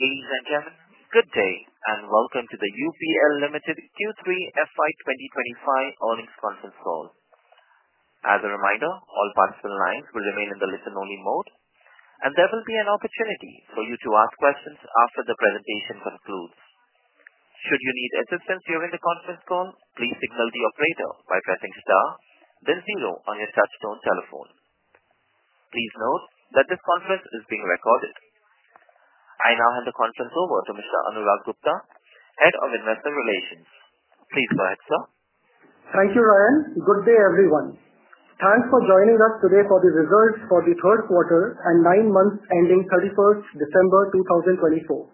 Ladies and gentlemen, good day and welcome to the UPL Limited Q3 FY 2025 earnings conference call. As a reminder, all participant lines will remain in the listen-only mode, and there will be an opportunity for you to ask questions after the presentation concludes. Should you need assistance during the conference call, please signal the operator by pressing star, then zero on your touch-tone telephone. Please note that this conference is being recorded. I now hand the conference over to Mr. Anurag Gupta, Head of Investor Relations. Please go ahead, sir. Thank you, Ryan. Good day, everyone. Thanks for joining us today for the results for the third quarter and nine months ending 31st December 2024.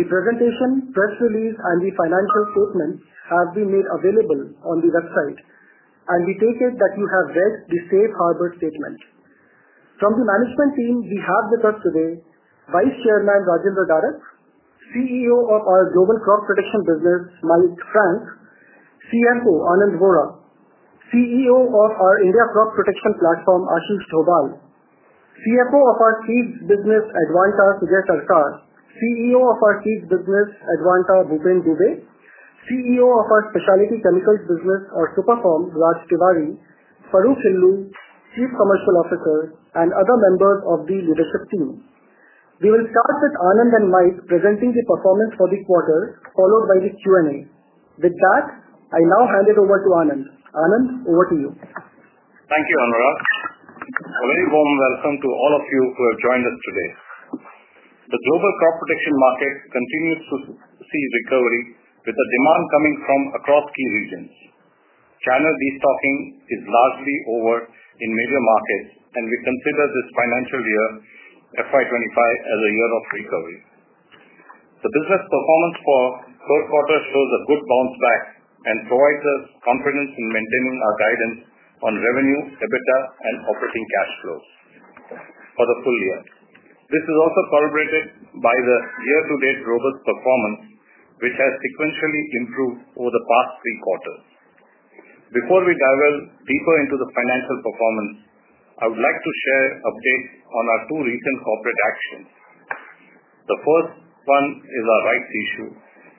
The presentation, press release, and the financial statements have been made available on the website, and we take it that you have read the safe harbor statement. From the management team, we have with us today Vice Chairman Rajendra Darak, CEO of our Global Crop Protection Business, Mike Frank, CFO Anand Vora, CEO of our India Crop Protection Platform, Ashish Dobhal, CFO of our Seeds Business, Advanta Shashidhar, CEO of our Seeds Business, Advanta Bhupen Dubey, CEO of our Specialty Chemicals Business, or Superform, Raj Tiwari, Farokh Hilloo, Chief Commercial Officer, and other members of the leadership team. We will start with Anand and Mike presenting the performance for the quarter, followed by the Q&A. With that, I now hand it over to Anand. Anand, over to you. Thank you, Anurag. A very warm welcome to all of you who have joined us today. The global crop protection market continues to see recovery, with the demand coming from across key regions. Channel destocking is largely over in major markets, and we consider this financial year, FY 25, as a year of recovery. The business performance for the third quarter shows a good bounce back and provides us confidence in maintaining our guidance on revenue, EBITDA, and operating cash flows for the full year. This is also corroborated by the year-to-date robust performance, which has sequentially improved over the past three quarters. Before we dive deeper into the financial performance, I would like to share updates on our two recent corporate actions. The first one is our rights issue,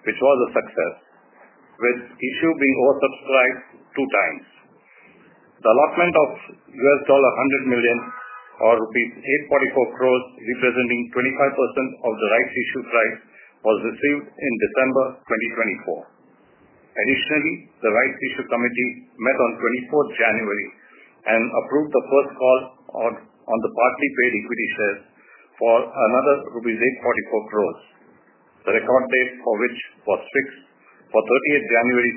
which was a success, with the issue being oversubscribed two times. The allotment of $100 million, or rupees 844 crores, representing 25% of the rights issue price, was received in December 2024. Additionally, the rights issue committee met on 24th January and approved the first call on the partly paid equity shares for another rupees 844 crores. The record date for which was fixed for 30th January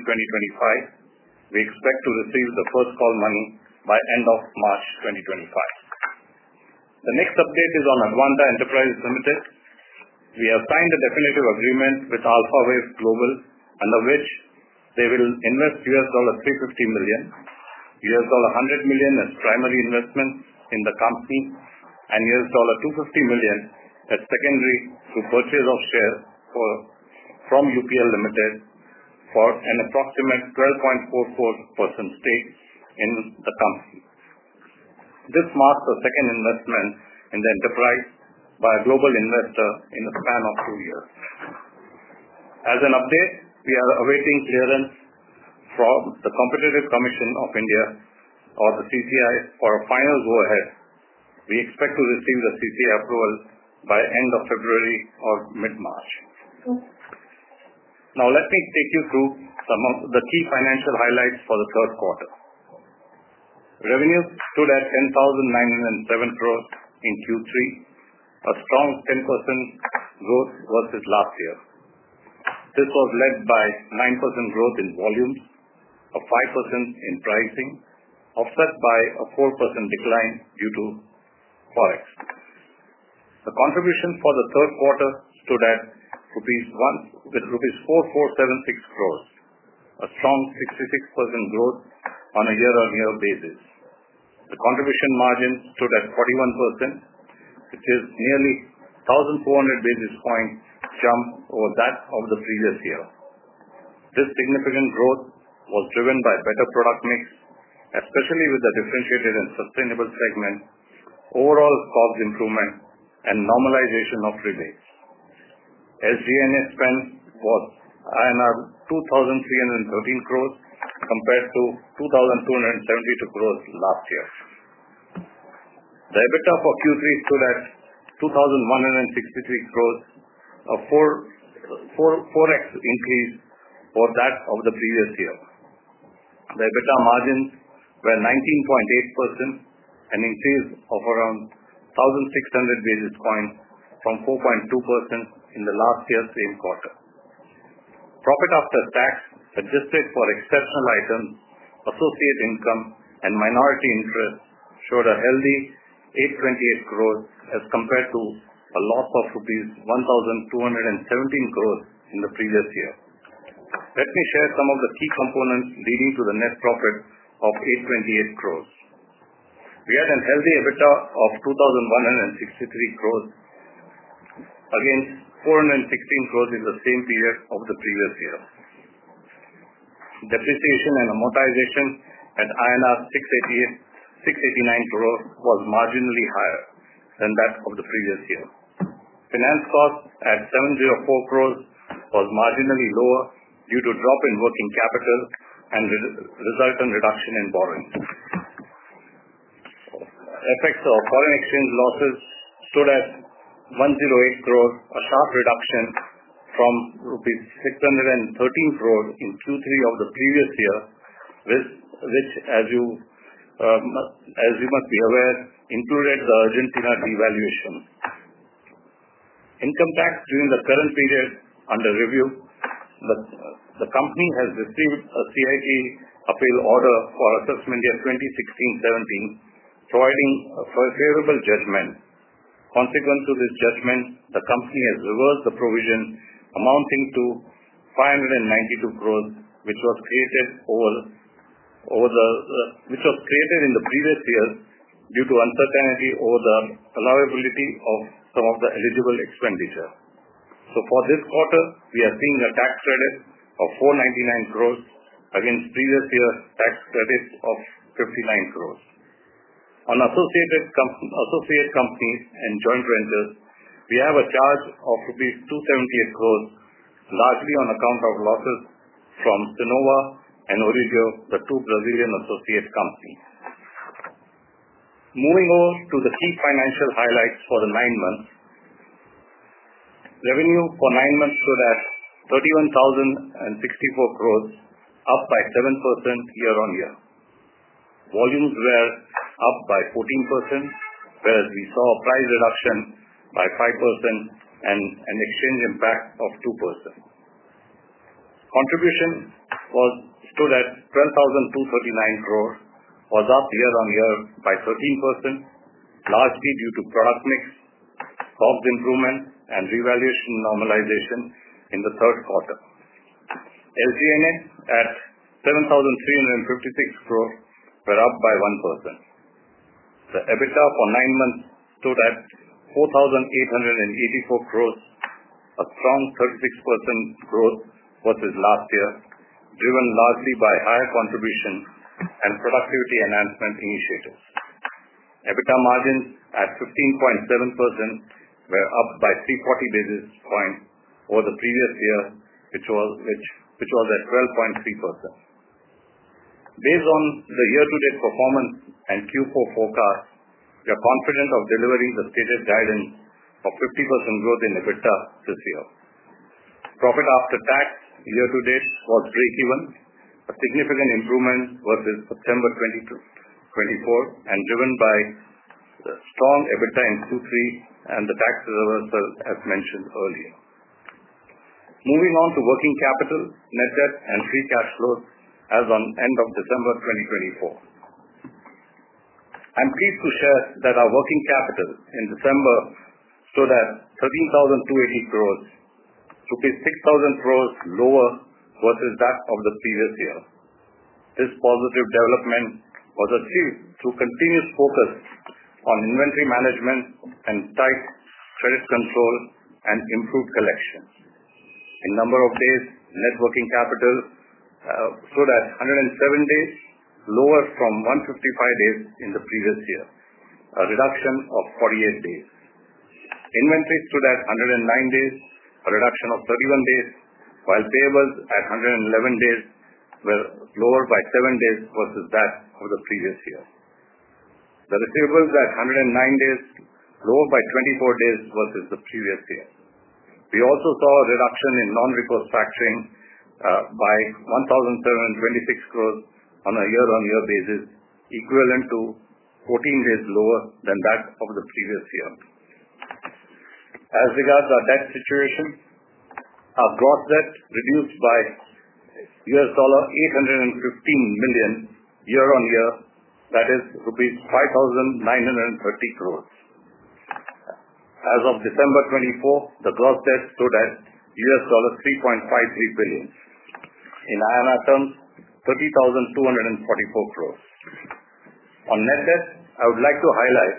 2025. We expect to receive the first call money by the end of March 2025. The next update is on Advanta Enterprises Limited. We have signed a definitive agreement with Alpha Wave Global, under which they will invest $350 million, $100 million as primary investments in the company, and $250 million as secondary through purchase of shares from UPL Limited for an approximate 12.44% stake in the company. This marks the second investment in the enterprise by a global investor in the span of two years. As an update, we are awaiting clearance from the Competition Commission of India, or the CCI, for a final go-ahead. We expect to receive the CCI approval by the end of February or mid-March. Now, let me take you through some of the key financial highlights for the third quarter. Revenues stood at 10,907 crores in Q3, a strong 10% growth versus last year. This was led by a 9% growth in volumes, a 5% in pricing, offset by a 4% decline due to Forex. The contribution for the third quarter stood at rupees 4,476 crores, a strong 66% growth on a year-on-year basis. The contribution margin stood at 41%, which is nearly a 1,400 basis point jump over that of the previous year. This significant growth was driven by a better product mix, especially with the differentiated and sustainable segment, overall cost improvement, and normalization of rebates. SG&A spend was 2,313 crores compared to 2,272 crores last year. The EBITDA for Q3 stood at 2,163 crores, a 4x increase over that of the previous year. The EBITDA margins were 19.8%, an increase of around 1,600 basis points from 4.2% in the last year's same quarter. Profit after tax, adjusted for exceptional items, associate income, and minority interest showed a healthy 828 crores as compared to a loss of rupees 1,217 crores in the previous year. Let me share some of the key components leading to the net profit of 828 crores. We had a healthy EBITDA of 2,163 crores against 416 crores in the same period of the previous year. Depreciation and amortization at INR 689 crores was marginally higher than that of the previous year. Finance costs at 704 crores was marginally lower due to a drop in working capital and resultant reduction in borrowing. Effects of foreign exchange losses stood at 108 crores, a sharp reduction from INR 613 crores in Q3 of the previous year, which, as you must be aware, included the Argentina devaluation. Income tax during the current period under review. The company has received a CIT appeal order for assessment year 2016-2017, providing a favorable judgment. Consequent to this judgment, the company has reversed the provision amounting to 592 crores, which was created in the previous year due to uncertainty over the allowability of some of the eligible expenditure. So, for this quarter, we are seeing a tax credit of 499 crores against previous year's tax credits of 59 crores. On associate companies and joint ventures, we have a charge of INR 278 crores, largely on account of losses from Sinagro and Orígeo, the two Brazilian associate companies. Moving over to the key financial highlights for the nine months. Revenue for nine months stood at 31,064 crores, up by 7% year-on-year. Volumes were up by 14%, whereas we saw a price reduction by 5% and an exchange impact of 2%. Contribution stood at 12,239 crores, was up year-on-year by 13%, largely due to product mix, cost improvement, and revaluation normalization in the third quarter. SG&A at 7,356 crores were up by 1%. The EBITDA for nine months stood at 4,884 crores, a strong 36% growth versus last year, driven largely by higher contribution and productivity enhancement initiatives. EBITDA margins at 15.7% were up by 340 basis points over the previous year, which was at 12.3%. Based on the year-to-date performance and Q4 forecast, we are confident of delivering the stated guidance of 50% growth in EBITDA this year. Profit after tax year-to-date was break-even, a significant improvement versus September 2024, and driven by the strong EBITDA in Q3 and the tax reversal as mentioned earlier. Moving on to working capital, net debt, and free cash flows as of the end of December 2024. I'm pleased to share that our working capital in December stood at 13,280 crores, rupees 6,000 crores lower versus that of the previous year. This positive development was achieved through continuous focus on inventory management and tight credit control and improved collection. In number of days, net working capital stood at 107 days, lower from 155 days in the previous year, a reduction of 48 days. Inventory stood at 109 days, a reduction of 31 days, while payables at 111 days were lower by 7 days versus that of the previous year. The receivables at 109 days lower by 24 days versus the previous year. We also saw a reduction in non-recourse factoring by 1,726 crores on a year-on-year basis, equivalent to 14 days lower than that of the previous year. As regards our debt situation, our gross debt reduced by $815 million year-on-year, that is rupees 5,930 crores. As of December 24, the gross debt stood at $3.53 billion. In INR terms, 30,244 crores. On net debt, I would like to highlight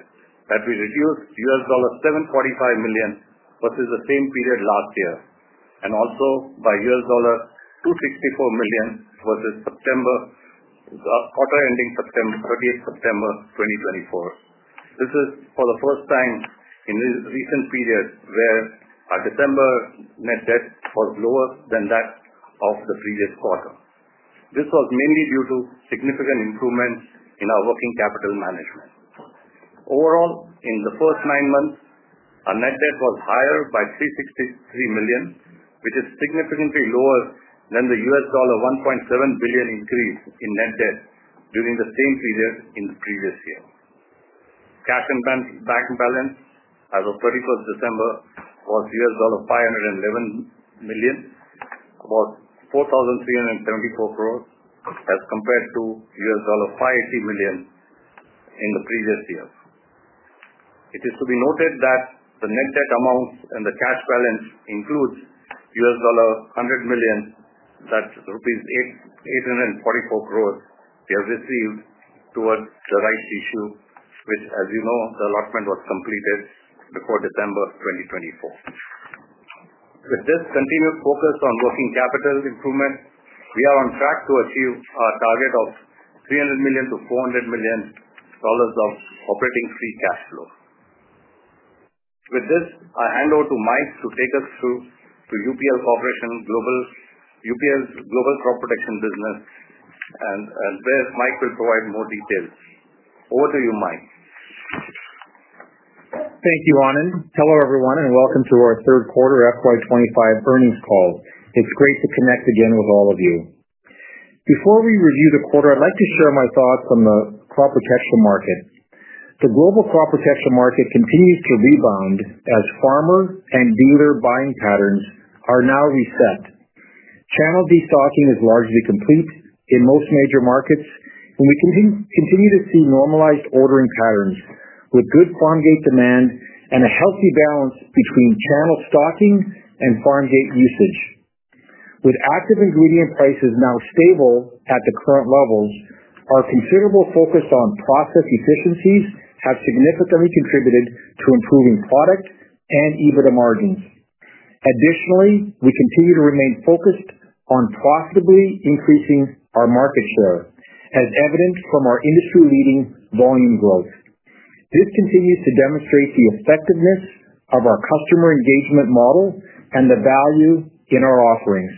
that we reduced $745 million versus the same period last year, and also by $264 million versus quarter ending September 30th, September 2024. This is for the first time in a recent period where our December net debt was lower than that of the previous quarter. This was mainly due to significant improvements in our working capital management. Overall, in the first nine months, our net debt was higher by $363 million, which is significantly lower than the $1.7 billion increase in net debt during the same period in the previous year. Cash and bank balance as of 31st December was $511 million, about 4,374 crores, as compared to $580 million in the previous year. It is to be noted that the net debt amounts and the cash balance include $100 million, that's rupees 844 crores we have received towards the rights issue, which, as you know, the allotment was completed before December 2024. With this continued focus on working capital improvement, we are on track to achieve our target of $300 million-$400 million of operating free cash flow. With this, I hand over to Mike to take us through to UPL Corporation Global, UPL's global crop protection business, and where Mike will provide more details. Over to you, Mike. Thank you, Anand. Hello, everyone, and welcome to our third quarter FY 25 earnings call. It's great to connect again with all of you. Before we review the quarter, I'd like to share my thoughts on the crop protection market. The global crop protection market continues to rebound as farmer and dealer buying patterns are now reset. Channel destocking is largely complete in most major markets, and we continue to see normalized ordering patterns with good farm gate demand and a healthy balance between channel stocking and farm gate usage. With active ingredient prices now stable at the current levels, our considerable focus on process efficiencies has significantly contributed to improving product and EBITDA margins. Additionally, we continue to remain focused on profitably increasing our market share, as evident from our industry-leading volume growth. This continues to demonstrate the effectiveness of our customer engagement model and the value in our offerings.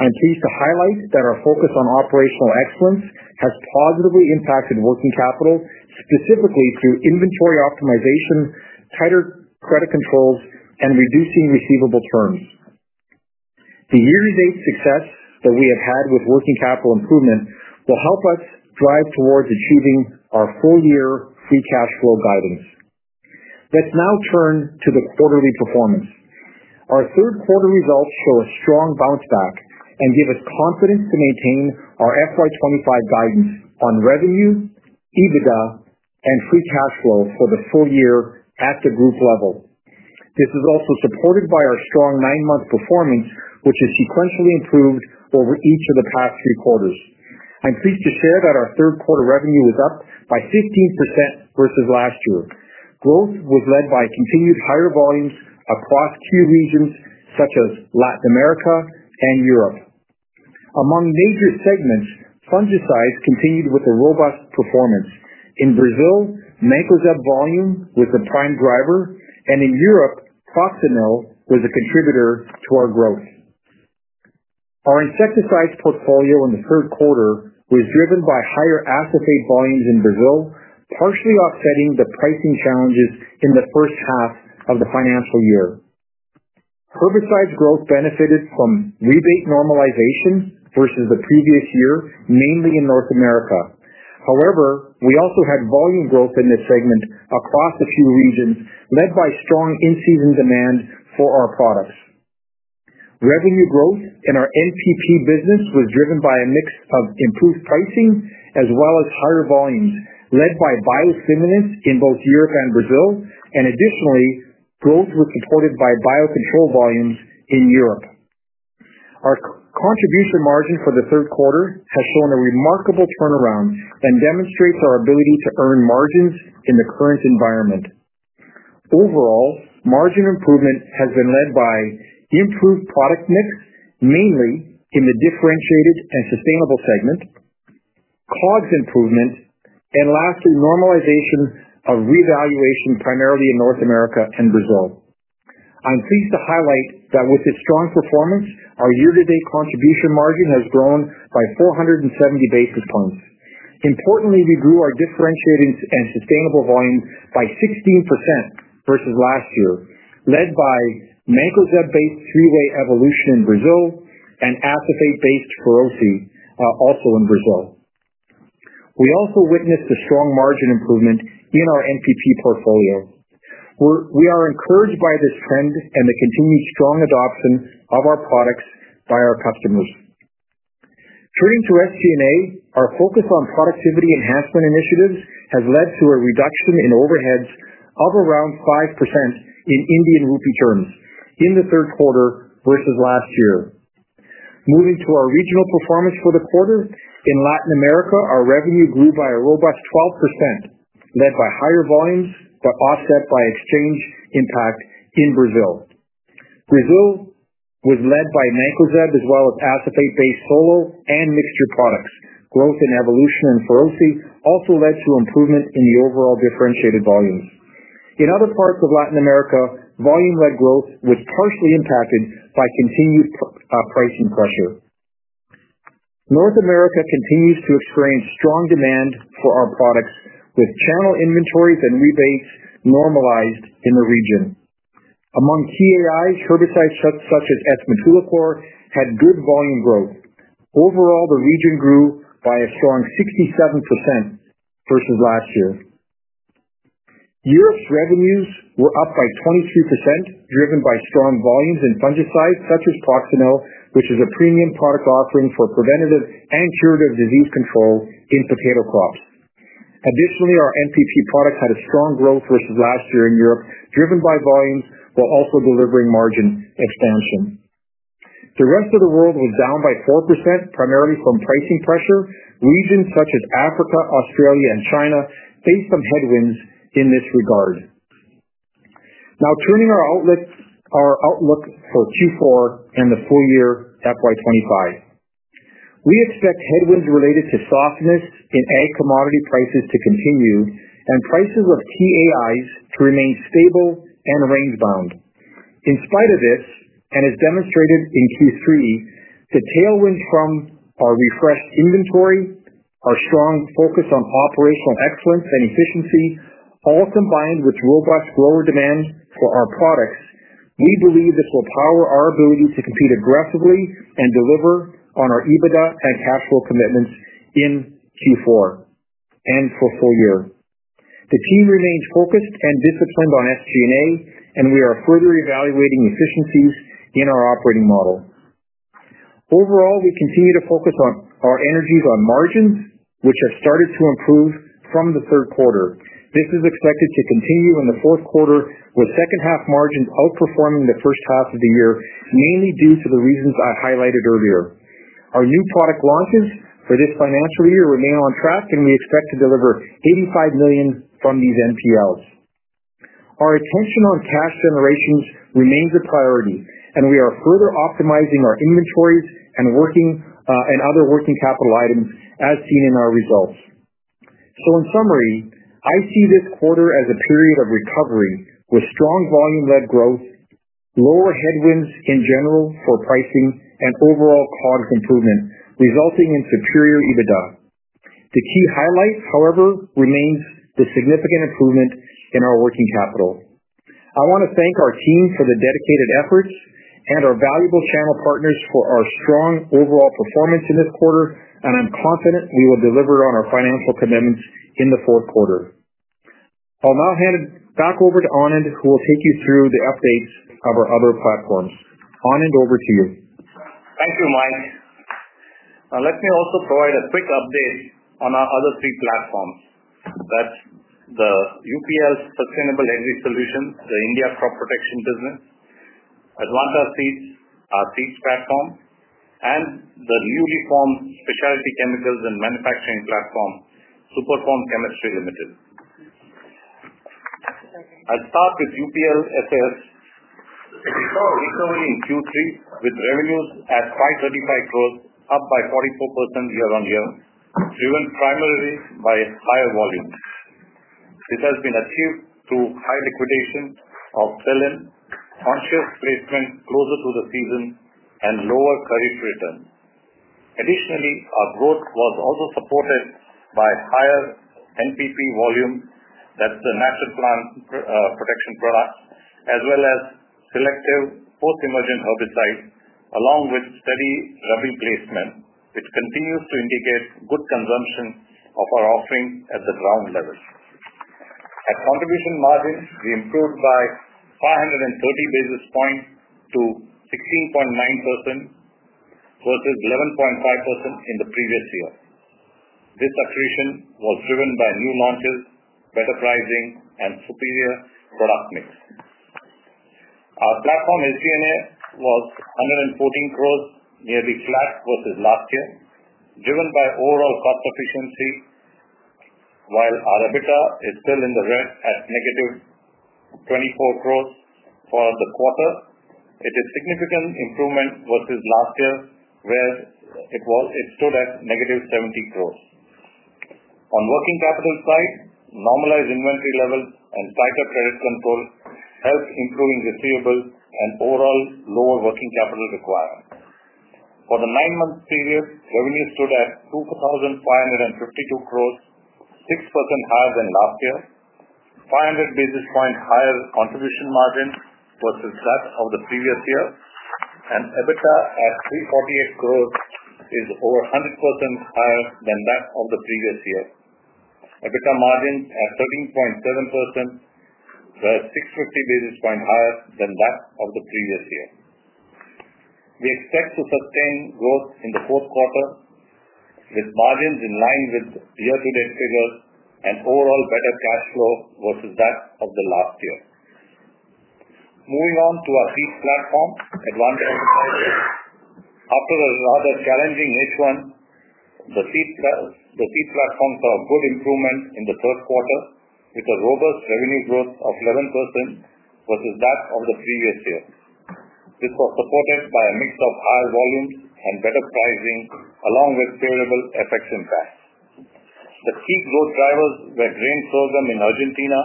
I'm pleased to highlight that our focus on operational excellence has positively impacted working capital, specifically through inventory optimization, tighter credit controls, and reducing receivable terms. The year-to-date success that we have had with working capital improvement will help us drive towards achieving our full-year free cash flow guidance. Let's now turn to the quarterly performance. Our third quarter results show a strong bounce back and give us confidence to maintain our FY 25 guidance on revenue, EBITDA, and free cash flow for the full year at the group level. This is also supported by our strong nine-month performance, which has sequentially improved over each of the past three quarters. I'm pleased to share that our third quarter revenue was up by 15% versus last year. Growth was led by continued higher volumes across key regions such as Latin America and Europe. Among major segments, fungicides continued with a robust performance. In Brazil, Mancozeb volume was the prime driver, and in Europe, Proxanil was a contributor to our growth. Our insecticide portfolio in the third quarter was driven by higher Acephate volumes in Brazil, partially offsetting the pricing challenges in the first half of the financial year. Herbicide growth benefited from rebate normalization versus the previous year, mainly in North America. However, we also had volume growth in this segment across a few regions, led by strong in-season demand for our products. Revenue growth in our NPP business was driven by a mix of improved pricing as well as higher volumes, led by biostimulants in both Europe and Brazil, and additionally, growth was supported by biocontrol volumes in Europe. Our contribution margin for the third quarter has shown a remarkable turnaround and demonstrates our ability to earn margins in the current environment. Overall, margin improvement has been led by improved product mix, mainly in the differentiated and sustainable segment, COGS improvement, and lastly, normalization of revaluation, primarily in North America and Brazil. I'm pleased to highlight that with this strong performance, our year-to-date contribution margin has grown by 470 basis points. Importantly, we grew our differentiated and sustainable volume by 16% versus last year, led by Mancozeb-based three-way Evolution in Brazil and Acephate-based Feroce, also in Brazil. We also witnessed a strong margin improvement in our NPP portfolio. We are encouraged by this trend and the continued strong adoption of our products by our customers. Turning to SG&A, our focus on productivity enhancement initiatives has led to a reduction in overheads of around 5% in Indian Rupee terms in the third quarter versus last year. Moving to our regional performance for the quarter, in Latin America, our revenue grew by a robust 12%, led by higher volumes but offset by exchange impact in Brazil. Brazil was led by Mancozeb as well as Acephate-based Solo and mixture products. Growth in Evolution and Feroce also led to improvement in the overall differentiated volumes. In other parts of Latin America, volume-led growth was partially impacted by continued pricing pressure. North America continues to experience strong demand for our products, with channel inventories and rebates normalized in the region. Among key AIs, herbicides such as S-Metolachlor had good volume growth. Overall, the region grew by a strong 67% versus last year. Europe's revenues were up by 23%, driven by strong volumes in fungicides such as Proxanil, which is a premium product offering for preventative and curative disease control in potato crops. Additionally, our NPP products had a strong growth versus last year in Europe, driven by volumes while also delivering margin expansion. The rest of the world was down by 4%, primarily from pricing pressure. Regions such as Africa, Australia, and China faced some headwinds in this regard. Now, turning our outlook for Q4 and the full year FY 25, we expect headwinds related to softness in ag commodity prices to continue and prices of key AIs to remain stable and range-bound. In spite of this, and as demonstrated in Q3, the tailwinds from our refreshed inventory, our strong focus on operational excellence and efficiency, all combined with robust grower demand for our products, we believe this will power our ability to compete aggressively and deliver on our EBITDA and cash flow commitments in Q4 and for full year. The team remains focused and disciplined on SG&A, and we are further evaluating efficiencies in our operating model. Overall, we continue to focus on our energies on margins, which have started to improve from the third quarter. This is expected to continue in the fourth quarter, with second-half margins outperforming the first half of the year, mainly due to the reasons I highlighted earlier. Our new product launches for this financial year remain on track, and we expect to deliver $85 million from these NPLs. Our attention on cash generation remains a priority, and we are further optimizing our inventories and other working capital items as seen in our results. So, in summary, I see this quarter as a period of recovery with strong volume-led growth, lower headwinds in general for pricing, and overall COGS improvement, resulting in superior EBITDA. The key highlight, however, remains the significant improvement in our working capital. I want to thank our team for the dedicated efforts and our valuable channel partners for our strong overall performance in this quarter, and I'm confident we will deliver on our financial commitments in the fourth quarter. I'll now hand it back over to Anand, who will take you through the updates of our other platforms. Anand, over to you. Thank you, Mike. Let me also provide a quick update on our other three platforms. That's the UPL Sustainable Agri Solutions, the India Crop Protection Business, Advanta Seeds, our seeds platform, and the newly formed specialty chemicals and manufacturing platform, Superform Chemistry Limited. I'll start with UPL SAS, which we saw a recovery in Q3 with revenues at 535 crores, up by 44% year-on-year, driven primarily by higher volumes. This has been achieved through high liquidation of inventory, cautious placement closer to the season, and lower inventory return. Additionally, our growth was also supported by higher NPP volume, that's the natural plant protection products, as well as selective post-emergent herbicides, along with steady Rabi placement, which continues to indicate good consumption of our offering at the ground level. At contribution margins, we improved by 530 basis points to 16.9% versus 11.5% in the previous year. This accretion was driven by new launches, better pricing, and superior product mix. Our platform SG&A was 114 crores, nearly flat versus last year, driven by overall cost efficiency, while our EBITDA is still in the red at negative 24 crores for the quarter. It is a significant improvement versus last year, where it stood at negative 70 crores. On working capital side, normalized inventory levels and tighter credit control helped improve receivables and overall lower working capital requirements. For the nine-month period, revenues stood at 2,552 crores, 6% higher than last year, 500 basis points higher contribution margin versus that of the previous year, and EBITDA at 348 crores is over 100% higher than that of the previous year. EBITDA margin at 13.7% was 650 basis points higher than that of the previous year. We expect to sustain growth in the fourth quarter with margins in line with year-to-date figures and overall better cash flow versus that of the last year. Moving on to our seed platform, Advanta Seeds. After a rather challenging H1, the seed platform saw good improvement in the third quarter with a robust revenue growth of 11% versus that of the previous year. This was supported by a mix of higher volumes and better pricing, along with favorable FX impacts. The key growth drivers were grain program in Argentina,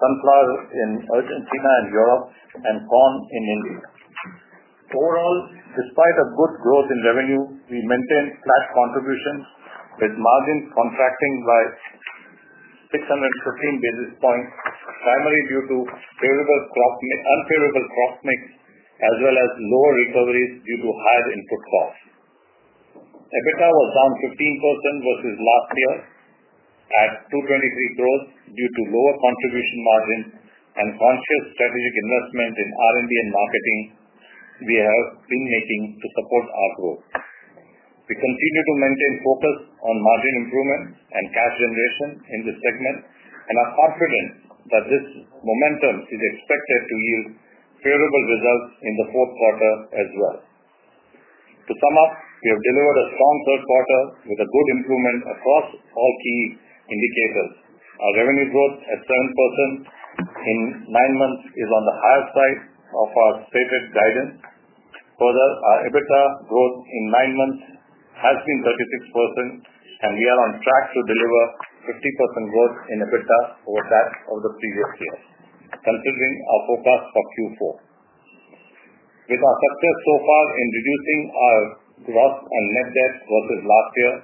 sunflower in Argentina and Europe, and corn in India. Overall, despite good growth in revenue, we maintained flat contribution margins with margins contracting by 615 basis points, primarily due to unfavorable cost mix as well as lower recoveries due to higher input costs. EBITDA was down 15% versus last year at 223 crores due to lower contribution margins and conscious strategic investment in R&D and marketing we have been making to support our growth. We continue to maintain focus on margin improvement and cash generation in this segment, and are confident that this momentum is expected to yield favorable results in the fourth quarter as well. To sum up, we have delivered a strong third quarter with a good improvement across all key indicators. Our revenue growth at 7% in nine months is on the higher side of our stated guidance. Further, our EBITDA growth in nine months has been 36%, and we are on track to deliver 50% growth in EBITDA over that of the previous year, considering our forecast for Q4. With our success so far in reducing our gross and net debt versus last year,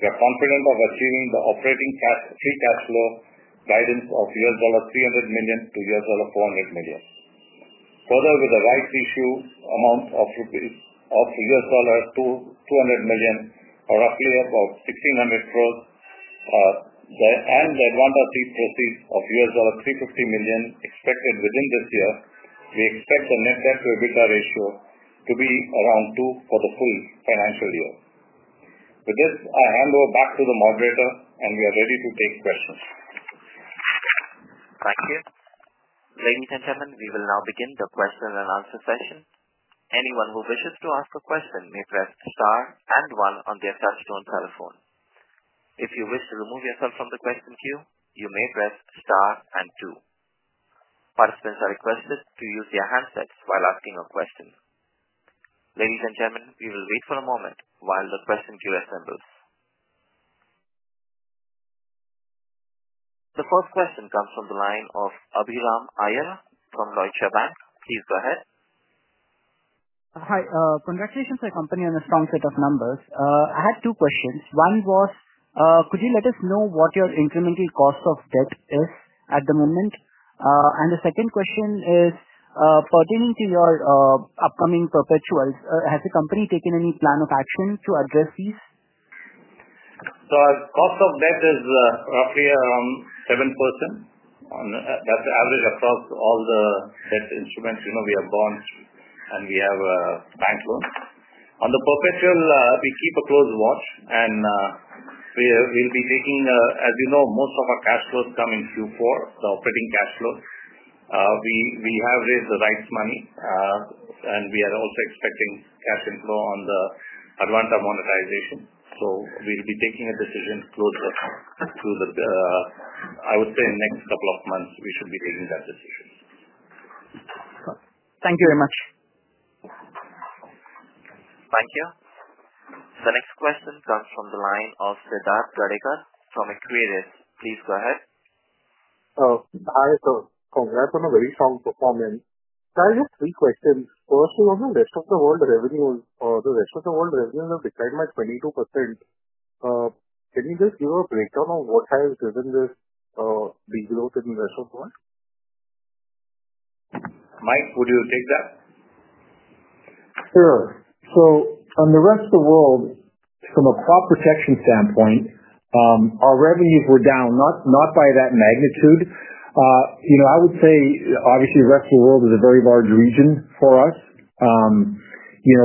we are confident of achieving the operating free cash flow guidance of $300 million-$400 million. Further, with the rights issue amount of $200 million, roughly about 1,600 crores, and the Advanta seed proceeds of $350 million expected within this year, we expect the net debt to EBITDA ratio to be around 2 for the full financial year. With this, I hand over back to the moderator, and we are ready to take questions. Thank you. Ladies and gentlemen, we will now begin the question and answer session. Anyone who wishes to ask a question may press star and one on their touch-tone telephone. If you wish to remove yourself from the question queue, you may press star and two. Participants are requested to use their handsets while asking a question. Ladies and gentlemen, we will wait for a moment while the question queue assembles. The first question comes from the line of Abhiram Iyer from Deutsche Bank. Please go ahead. Hi. Congratulations to the company on a strong set of numbers. I had two questions. One was, could you let us know what your incremental cost of debt is at the moment? And the second question is, pertaining to your upcoming perpetuals, has the company taken any plan of action to address these? So cost of debt is roughly around 7%. That's the average across all the debt instruments. We have bonds, and we have bank loans. On the perpetual, we keep a close watch, and we'll be taking, as you know, most of our cash flows come in Q4, the operating cash flows. We have raised the rights money, and we are also expecting cash inflow on the Advanta monetization. So we'll be taking a decision closer to the, I would say, next couple of months, we should be taking that decision. Thank you very much. Thank you. The next question comes from the line of Siddharth Gadekar from Equirus. Please go ahead. Hi. So congrats on a very strong performance. Can I ask three questions? First, on the rest of the world, the revenues or the rest of the world revenues have declined by 22%. Can you just give a breakdown of what has driven this growth in the rest of the world? Mike, would you take that? Sure. So on the rest of the world, from a crop protection standpoint, our revenues were down, not by that magnitude. I would say, obviously, the rest of the world is a very large region for us.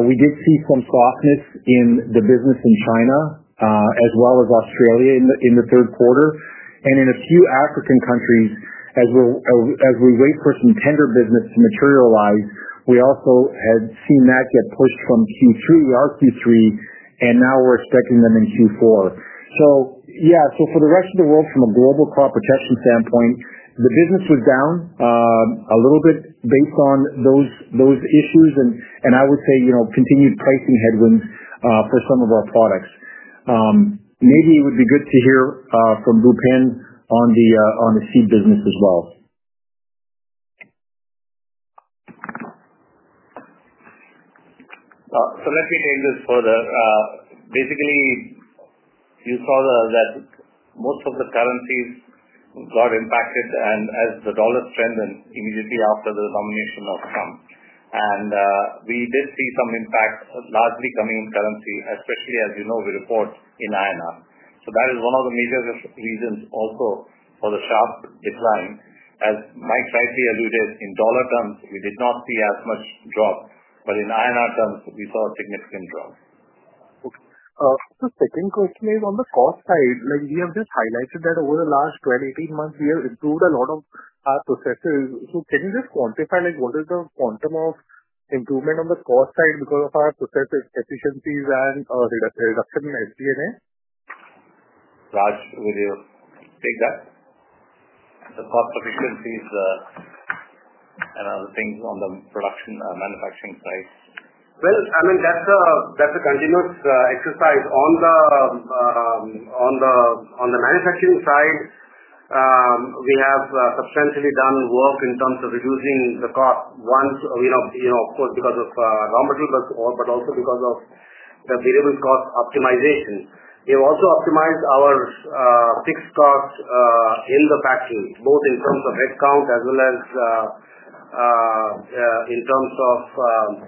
We did see some softness in the business in China as well as Australia in the third quarter. And in a few African countries, as we wait for some tender business to materialize, we also had seen that get pushed from Q3, our Q3, and now we're expecting them in Q4. So yeah, so for the rest of the world, from a global crop protection standpoint, the business was down a little bit based on those issues, and I would say continued pricing headwinds for some of our products. Maybe it would be good to hear from Bhupen on the seed business as well. So let me take this further. Basically, you saw that most of the currencies got impacted, and as the dollar strengthened immediately after the nomination of Trump, we did see some impact, largely coming in currency, especially, as you know, we report in INR. So that is one of the major reasons also for the sharp decline. As Mike rightly alluded, in dollar terms, we did not see as much drop, but in INR terms, we saw a significant drop. Just a second question is on the cost side. We have just highlighted that over the last 12-18 months, we have improved a lot of our processes. So can you just quantify what is the quantum of improvement on the cost side because of our process efficiencies and reduction in SG&A? Raj, will you take that? The cost efficiencies and other things on the production manufacturing side? Well, I mean, that's a continuous exercise. On the manufacturing side, we have substantially done work in terms of reducing the cost, of course, because of raw material, but also because of the variable cost optimization. We have also optimized our fixed cost in the factory, both in terms of headcount as well as in terms of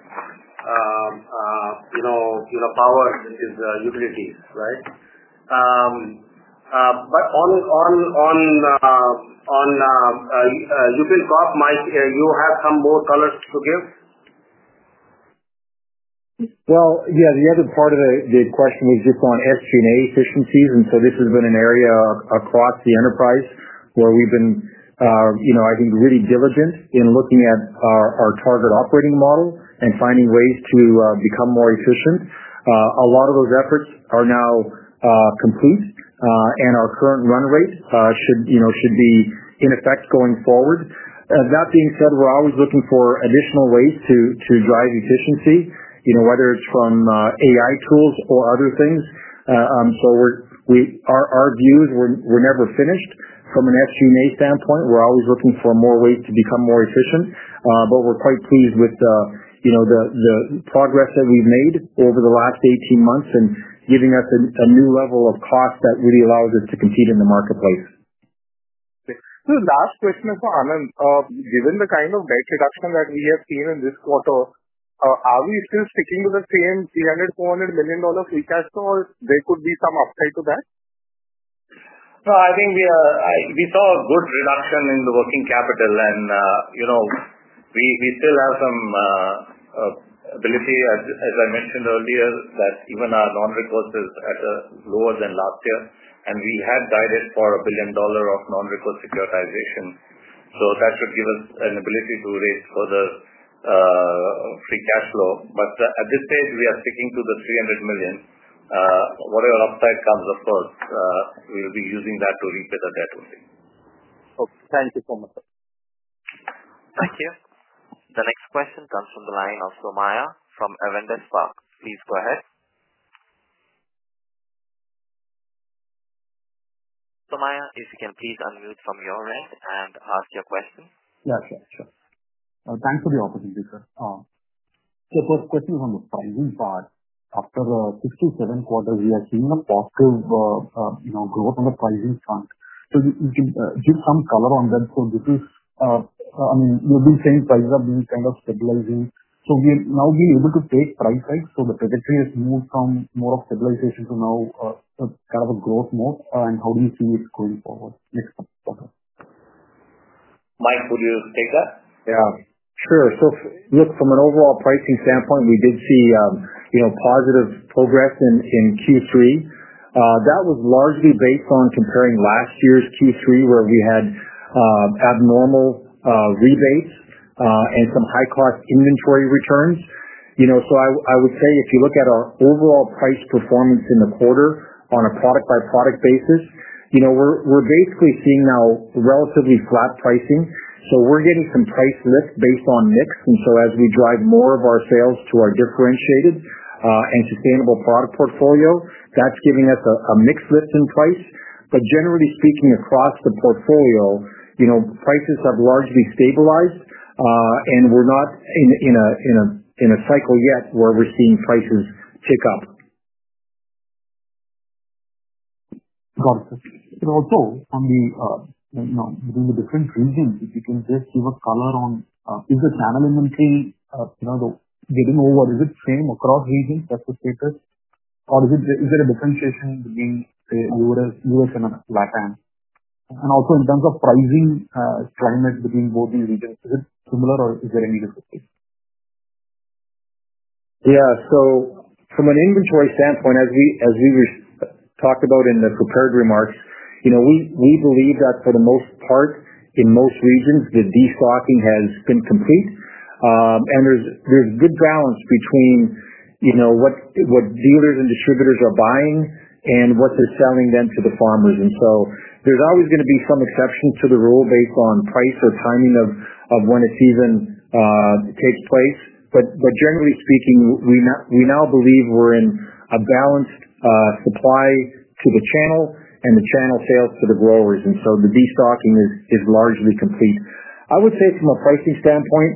power, which is utilities, right? But on UPL crop, Mike, you have some more colors to give? Yeah, the other part of the question was just on SG&A efficiencies. And so this has been an area across the enterprise where we've been, I think, really diligent in looking at our target operating model and finding ways to become more efficient. A lot of those efforts are now complete, and our current run rate should be in effect going forward. That being said, we're always looking for additional ways to drive efficiency, whether it's from AI tools or other things. So our views, we're never finished. From an SG&A standpoint, we're always looking for more ways to become more efficient, but we're quite pleased with the progress that we've made over the last 18 months and giving us a new level of cost that really allows us to compete in the marketplace. So the last question is for Anand. Given the kind of net reduction that we have seen in this quarter, are we still sticking with the same $300-$400 million free cash flow, or there could be some upside to that? No, I think we saw a good reduction in the working capital, and we still have some ability, as I mentioned earlier, that even our non-recourse is at lower than last year. And we had guided for $1 billion of non-recourse securitization. So that should give us an ability to raise further free cash flow. But at this stage, we are sticking to the $300 million. Whatever upside comes, of course, we'll be using that to repay the debt also. Thank you so much. Thank you. The next question comes from the line of Somaiah from Avendus Spark. Please go ahead. Somaiya, if you can please unmute from your end and ask your question. Yeah, sure. Thanks for the opportunity, sir. So first question is on the pricing part. After six to seven quarters, we are seeing a positive growth on the pricing front. So you can give some color on that. So this is, I mean, you've been saying prices are being kind of stabilizing. So we have now been able to take price hikes. So the trajectory has moved from more of stabilization to now kind of a growth mode. And how do you see it going forward next quarter? Mike, would you take that? Yeah. Sure, so look, from an overall pricing standpoint, we did see positive progress in Q3. That was largely based on comparing last year's Q3, where we had abnormal rebates and some high-cost inventory returns, so I would say if you look at our overall price performance in the quarter on a product-by-product basis, we're basically seeing now relatively flat pricing, so we're getting some price lift based on mix, and so as we drive more of our sales to our differentiated and sustainable product portfolio, that's giving us a mixed lift in price, but generally speaking, across the portfolio, prices have largely stabilized, and we're not in a cycle yet where we're seeing prices tick up. Got it. Also, on the different regions, if you can just give a color on, is the channel inventory getting over? Is it same across regions as the status? Or is there a differentiation between, say, U.S. and LATAM? And also in terms of pricing climate between both these regions, is it similar or is there any difference? Yeah. So from an inventory standpoint, as we talked about in the prepared remarks, we believe that for the most part, in most regions, the destocking has been complete. And there's good balance between what dealers and distributors are buying and what they're selling then to the farmers. And so there's always going to be some exceptions to the rule based on price or timing of when a season takes place. But generally speaking, we now believe we're in a balanced supply to the channel and the channel sales to the growers. And so the destocking is largely complete. I would say from a pricing standpoint,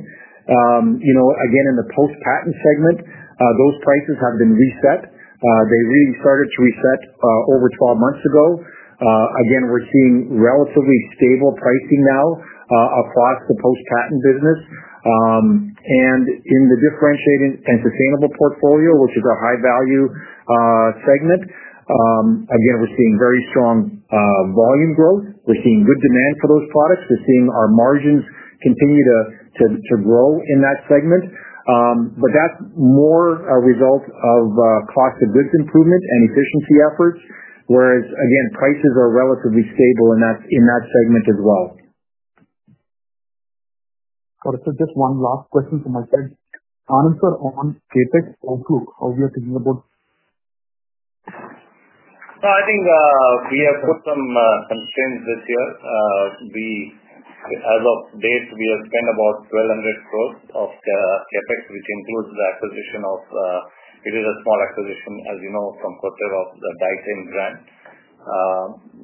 again, in the post-patent segment, those prices have been reset. They really started to reset over 12 months ago. Again, we're seeing relatively stable pricing now across the post-patent business. In the differentiated and sustainable portfolio, which is our high-value segment, again, we're seeing very strong volume growth. We're seeing good demand for those products. We're seeing our margins continue to grow in that segment. But that's more a result of cost of goods improvement and efficiency efforts, whereas, again, prices are relatively stable in that segment as well. Got it. So just one last question from my side. Answer on CapEx outlook, how we are thinking about? I think we have put some strength this year. As of date, we have spent about 1,200 crores of CapEx, which includes the acquisition of, it is a small acquisition, as you know, from Corteva of the Dithane brand.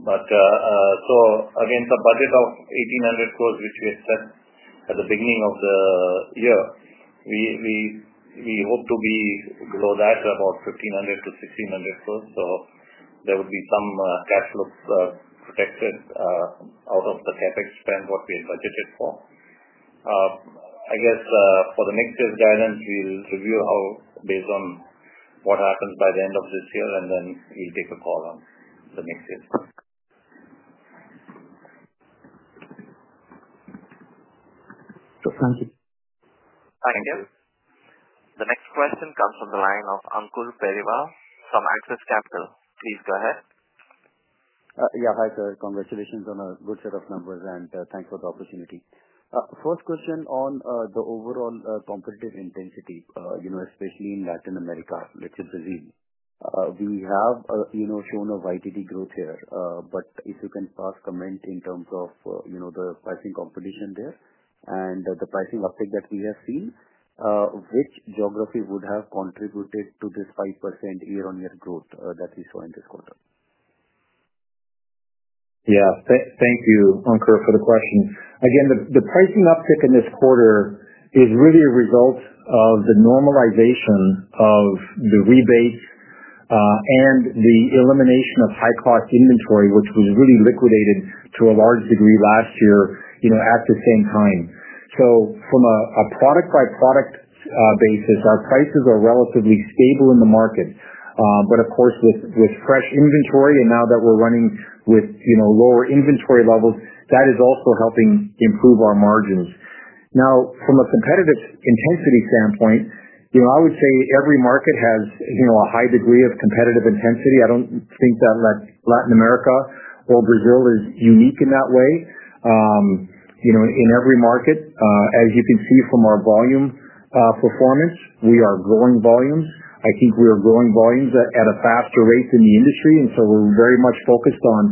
But so against a budget of 1,800 crores, which we had set at the beginning of the year, we hope to be below that, about 1,500-1,600 crores. So there would be some cash flow protected out of the CapEx spend, what we had budgeted for. I guess for the next year's guidance, we'll review based on what happens by the end of this year, and then we'll take a call on the next year. Thank you. Thank you. The next question comes from the line of Ankur Periwal from Axis Capital. Please go ahead. Yeah. Hi, sir. Congratulations on a good set of numbers, and thanks for the opportunity. First question on the overall competitive intensity, especially in Latin America, let's say Brazil. We have shown a YTD growth here, but if you can pass comment in terms of the pricing competition there and the pricing uptick that we have seen, which geography would have contributed to this 5% year-on-year growth that we saw in this quarter? Yeah. Thank you, Ankur, for the question. Again, the pricing uptick in this quarter is really a result of the normalization of the rebates and the elimination of high-cost inventory, which was really liquidated to a large degree last year at the same time. So from a product-by-product basis, our prices are relatively stable in the market. But of course, with fresh inventory and now that we're running with lower inventory levels, that is also helping improve our margins. Now, from a competitive intensity standpoint, I would say every market has a high degree of competitive intensity. I don't think that Latin America or Brazil is unique in that way. In every market, as you can see from our volume performance, we are growing volumes. I think we are growing volumes at a faster rate than the industry. And so we're very much focused on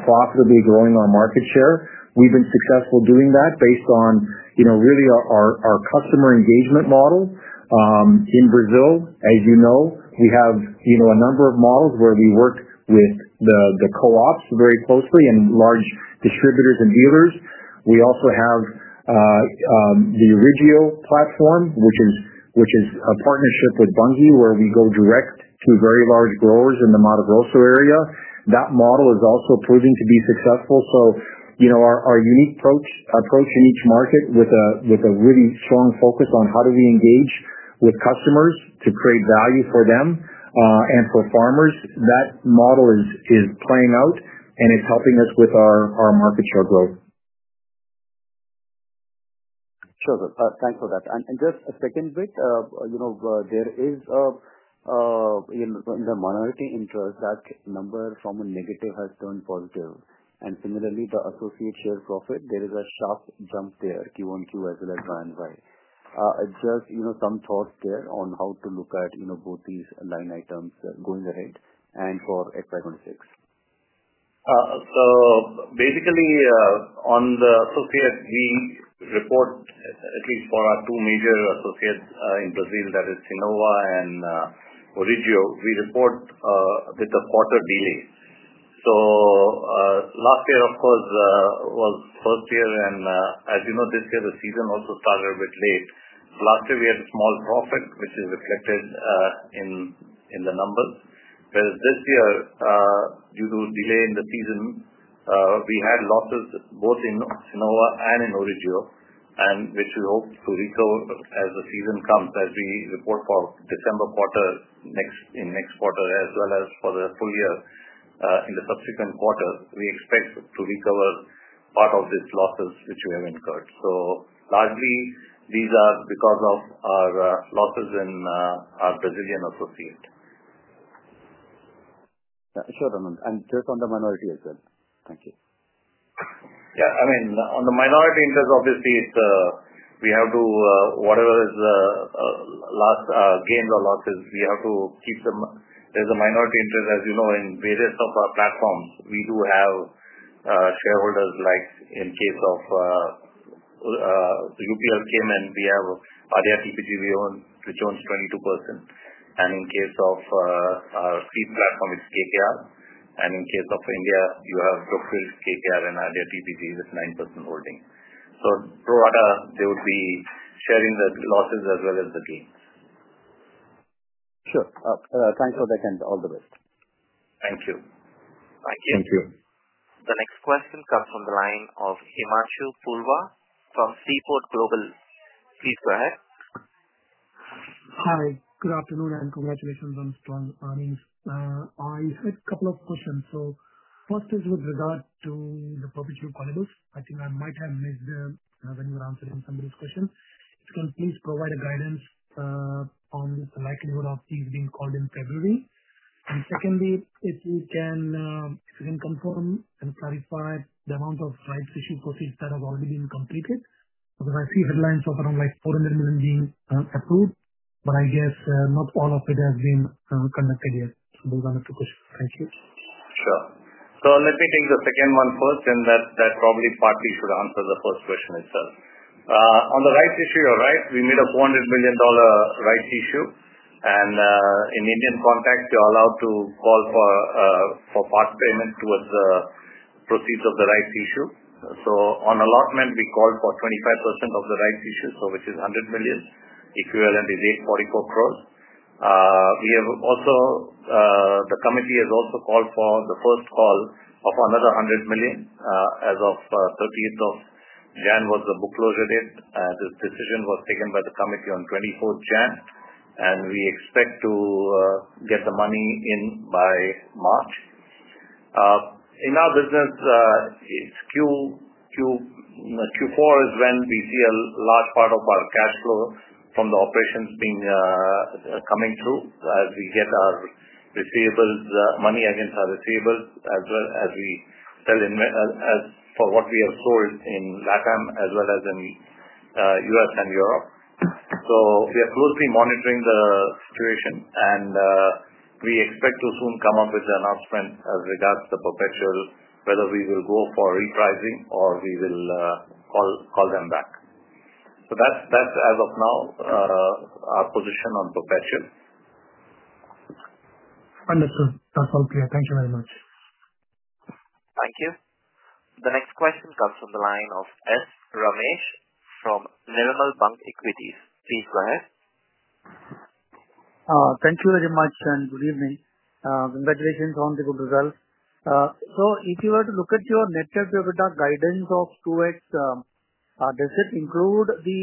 profitably growing our market share. We've been successful doing that based on really our customer engagement model. In Brazil, as you know, we have a number of models where we work with the co-ops very closely and large distributors and dealers. We also have the Orígeo platform, which is a partnership with Bunge, where we go direct to very large growers in the Mato Grosso area. That model is also proving to be successful. So our unique approach in each market with a really strong focus on how do we engage with customers to create value for them and for farmers, that model is playing out, and it's helping us with our market share growth. Sure. Thanks for that. And just a second bit, there is a minority interest that number from a negative has turned positive. And similarly, the associate share profit, there is a sharp jump there, Q1 FY as well as FY24. Just some thoughts there on how to look at both these line items going ahead and for FY26? So basically, on the associate, we report, at least for our two major associates in Brazil, that is Sinagro and Orígeo, we report with a quarter delay. So last year, of course, was first year. And as you know, this year, the season also started a bit late. Last year, we had a small profit, which is reflected in the numbers. Whereas this year, due to delay in the season, we had losses both in Sinagro and in Orígeo, which we hope to recover as the season comes, as we report for December quarter in next quarter, as well as for the full year in the subsequent quarter. We expect to recover part of these losses which we have incurred. So largely, these are because of our losses in our Brazilian associate. Sure. And just on the minority as well. Thank you. Yeah. I mean, on the minority interest, obviously, we have to, whatever is the last gains or losses, we have to keep them. There's a minority interest, as you know, in various of our platforms. We do have shareholders like in case of UPL, KKR and we have ADIA, TPG, which owns 22%. And in case of our seed platform, it's KKR. And in case of India, you have Brookfield, KKR, and ADIA, TPG with 9% holding. So throughout, they would be sharing the losses as well as the gains. Sure. Thanks for that and all the best. Thank you. Thank you. Thank you. The next question comes from the line of Himanshu Porwal from Seaport Global. Please go ahead. Hi. Good afternoon and congratulations on strong earnings. I had a couple of questions. So first is with regard to the perpetual callables. I think I might have missed them when you were answering somebody's question. If you can please provide a guidance on the likelihood of these being called in February. And secondly, if you can confirm and clarify the amount of rights issue proceeds that have already been completed. Because I see headlines of around $400 million being approved, but I guess not all of it has been conducted yet. So those are my two questions. Thank you. Sure. So let me take the second one first, and that probably partly should answer the first question itself. On the rights issue, you're right. We made a $400 million rights issue. And in Indian context, you're allowed to call for part payment towards the proceeds of the rights issue. So on allotment, we called for 25% of the rights issue, which is $100 million. Equivalent is 844 crores. We have also, the committee has also called for the first call of another $100 million as of 30th of January was the book closure date. And this decision was taken by the committee on 24th January. And we expect to get the money in by March. In our business, Q4 is when we see a large part of our cash flow from the operations being coming through as we get our receivables, money against our receivables, as well as we sell for what we have sold in LATAM as well as in U.S. and Europe. So we are closely monitoring the situation, and we expect to soon come up with the announcement as regards to the perpetual, whether we will go for repricing or we will call them back. So that's as of now our position on perpetual. Understood. That's all clear. Thank you very much. Thank you. The next question comes from the line of S. Ramesh from Nirmal Bang Equities. Please go ahead. Thank you very much and good evening. Congratulations on the good results. So if you were to look at your net-net-to-equity guidance of 2X, does it include the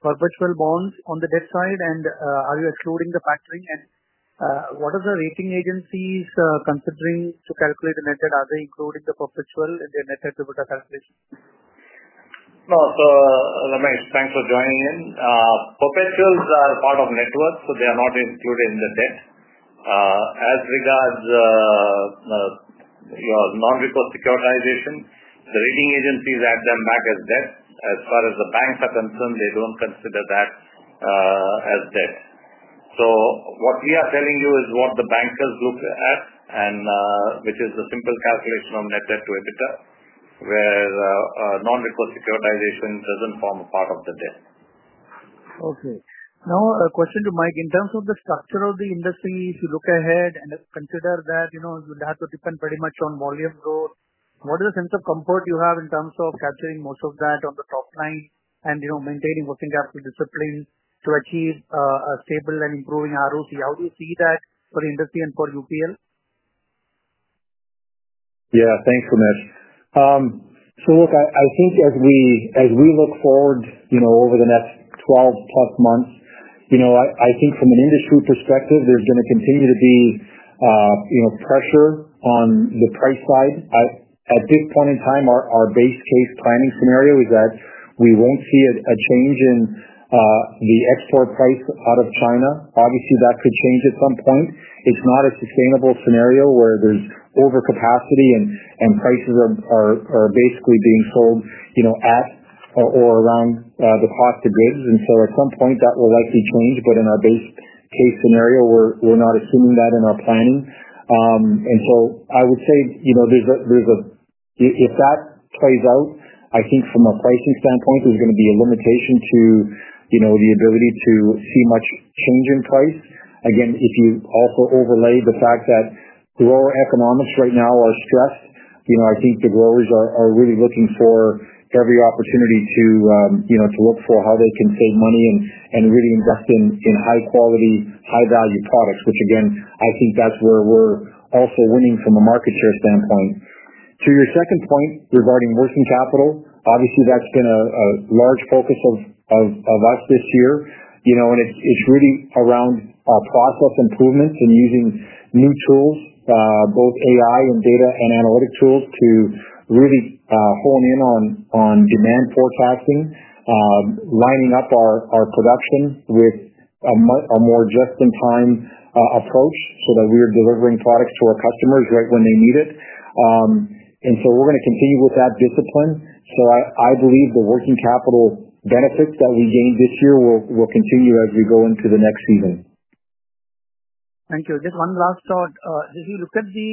perpetual bonds on the debt side, and are you excluding the factoring? And what are the rating agencies considering to calculate the net debt? Are they including the perpetual in their net-net-to-equity calculation? No. So, Ramesh, thanks for joining in. Perpetual bonds are part of net worth, so they are not included in the debt. As regards your non-recourse securitization, the rating agencies add them back as debt. As far as the banks are concerned, they don't consider that as debt. So what we are telling you is what the bankers look at, which is the simple calculation of net debt to EBITDA, where non-recourse securitization doesn't form a part of the debt. Okay. Now, a question to Mike. In terms of the structure of the industry, if you look ahead and consider that you would have to depend pretty much on volume growth, what is the sense of comfort you have in terms of capturing most of that on the top line and maintaining working capital discipline to achieve a stable and improving ROC? How do you see that for the industry and for UPL? Yeah. Thanks so much. So look, I think as we look forward over the next 12+ months, I think from an industry perspective, there's going to continue to be pressure on the price side. At this point in time, our base case planning scenario is that we won't see a change in the export price out of China. Obviously, that could change at some point. It's not a sustainable scenario where there's overcapacity and prices are basically being sold at or around the cost of goods. And so at some point, that will likely change. But in our base case scenario, we're not assuming that in our planning. And so I would say there's a, if that plays out, I think from a pricing standpoint, there's going to be a limitation to the ability to see much change in price. Again, if you also overlay the fact that grower economics right now are stressed, I think the growers are really looking for every opportunity to look for how they can save money and really invest in high-quality, high-value products, which again, I think that's where we're also winning from a market share standpoint. To your second point regarding working capital, obviously, that's been a large focus of us this year. And it's really around our process improvements and using new tools, both AI and data and analytic tools to really hone in on demand forecasting, lining up our production with a more just-in-time approach so that we are delivering products to our customers right when they need it. And so we're going to continue with that discipline. So I believe the working capital benefits that we gained this year will continue as we go into the next season. Thank you. Just one last thought. As you look at the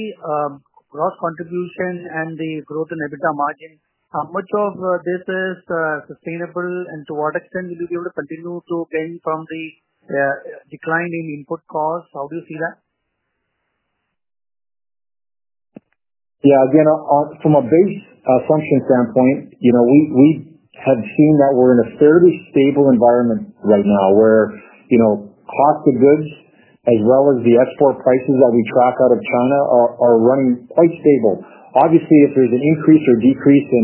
gross contribution and the growth in EBITDA margin, how much of this is sustainable, and to what extent will you be able to continue to gain from the decline in input costs? How do you see that? Yeah. Again, from a base assumption standpoint, we have seen that we're in a fairly stable environment right now where cost of goods as well as the export prices that we track out of China are running quite stable. Obviously, if there's an increase or decrease in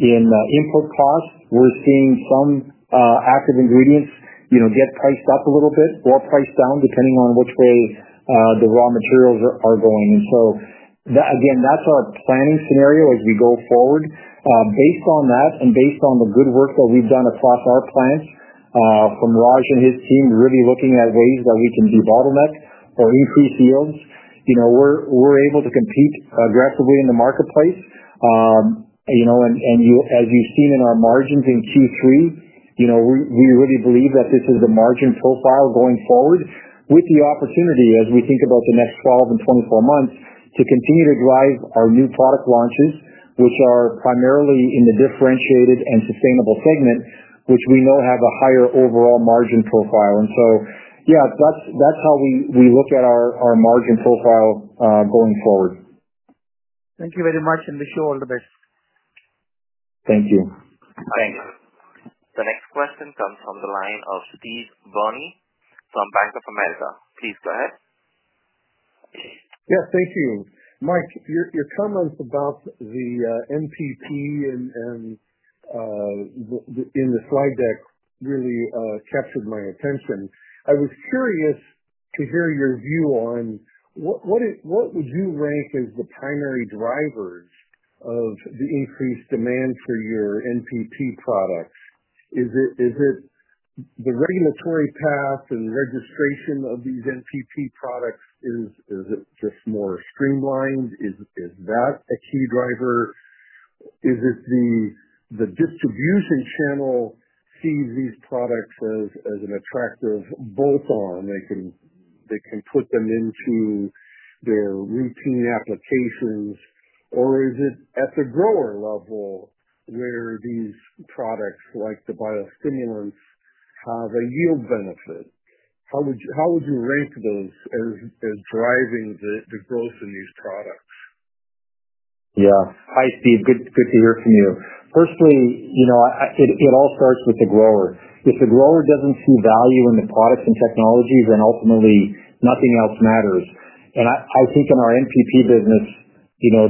input costs, we're seeing some active ingredients get priced up a little bit or priced down depending on which way the raw materials are going. And so again, that's our planning scenario as we go forward. Based on that and based on the good work that we've done across our plants from Raj and his team, really looking at ways that we can debottleneck or increase yields, we're able to compete aggressively in the marketplace. As you've seen in our margins in Q3, we really believe that this is the margin profile going forward with the opportunity, as we think about the next 12 and 24 months, to continue to drive our new product launches, which are primarily in the differentiated and sustainable segment, which we know have a higher overall margin profile. Yeah, that's how we look at our margin profile going forward. Thank you very much, and wish you all the best. Thank you. Thanks. The next question comes from the line of Steve Byrne from Bank of America. Please go ahead. Yes. Thank you. Mike, your comments about the NPP in the slide deck really captured my attention. I was curious to hear your view on what would you rank as the primary drivers of the increased demand for your NPP products? Is it the regulatory path and registration of these NPP products? Is it just more streamlined? Is that a key driver? Is it the distribution channel sees these products as an attractive bolt-on? They can put them into their routine applications. Or is it at the grower level where these products like the biostimulants have a yield benefit? How would you rank those as driving the growth in these products? Yeah. Hi, Steve. Good to hear from you. Firstly, it all starts with the grower. If the grower doesn't see value in the products and technologies, then ultimately, nothing else matters. And I think in our NPP business,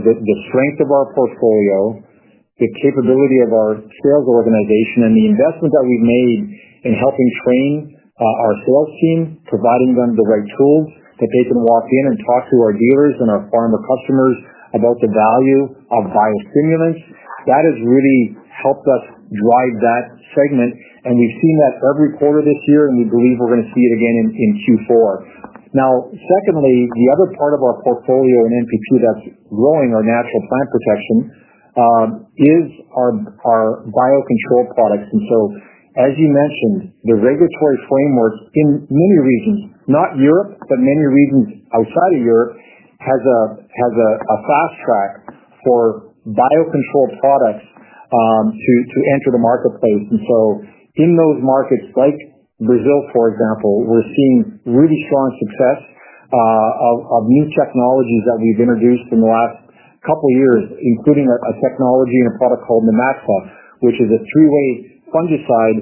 the strength of our portfolio, the capability of our sales organization, and the investment that we've made in helping train our sales team, providing them the right tools that they can walk in and talk to our dealers and our farmer customers about the value of biostimulants, that has really helped us drive that segment. And we've seen that every quarter this year, and we believe we're going to see it again in Q4. Now, secondly, the other part of our portfolio in NPP that's growing our natural plant protection is our biocontrol products. And so, as you mentioned, the regulatory framework in many regions, not Europe, but many regions outside of Europe, has a fast track for biocontrol products to enter the marketplace. And so in those markets, like Brazil, for example, we're seeing really strong success of new technologies that we've introduced in the last couple of years, including a technology and a product called Nimaxa, which is a three-way fungicide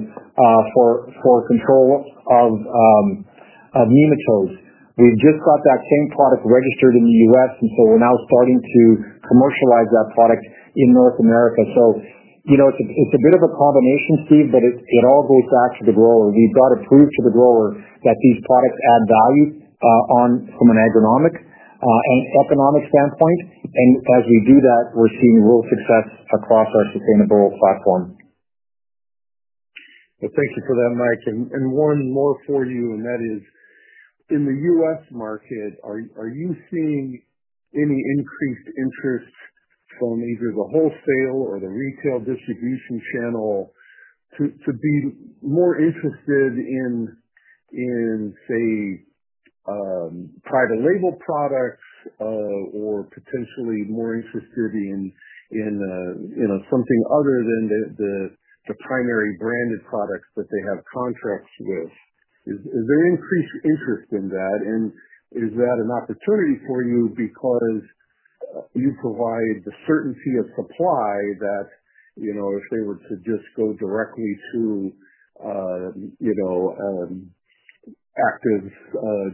for control of nematodes. We've just got that same product registered in the U.S., and so we're now starting to commercialize that product in North America. So it's a bit of a combination, Steve, but it all goes back to the grower. We've got to prove to the grower that these products add value from an agronomic and economic standpoint. And as we do that, we're seeing real success across our sustainable platform. Thank you for that, Mike. And one more for you, and that is, in the U.S. market, are you seeing any increased interest from either the wholesale or the retail distribution channel to be more interested in, say, private label products or potentially more interested in something other than the primary branded products that they have contracts with? Is there increased interest in that? And is that an opportunity for you because you provide the certainty of supply that if they were to just go directly to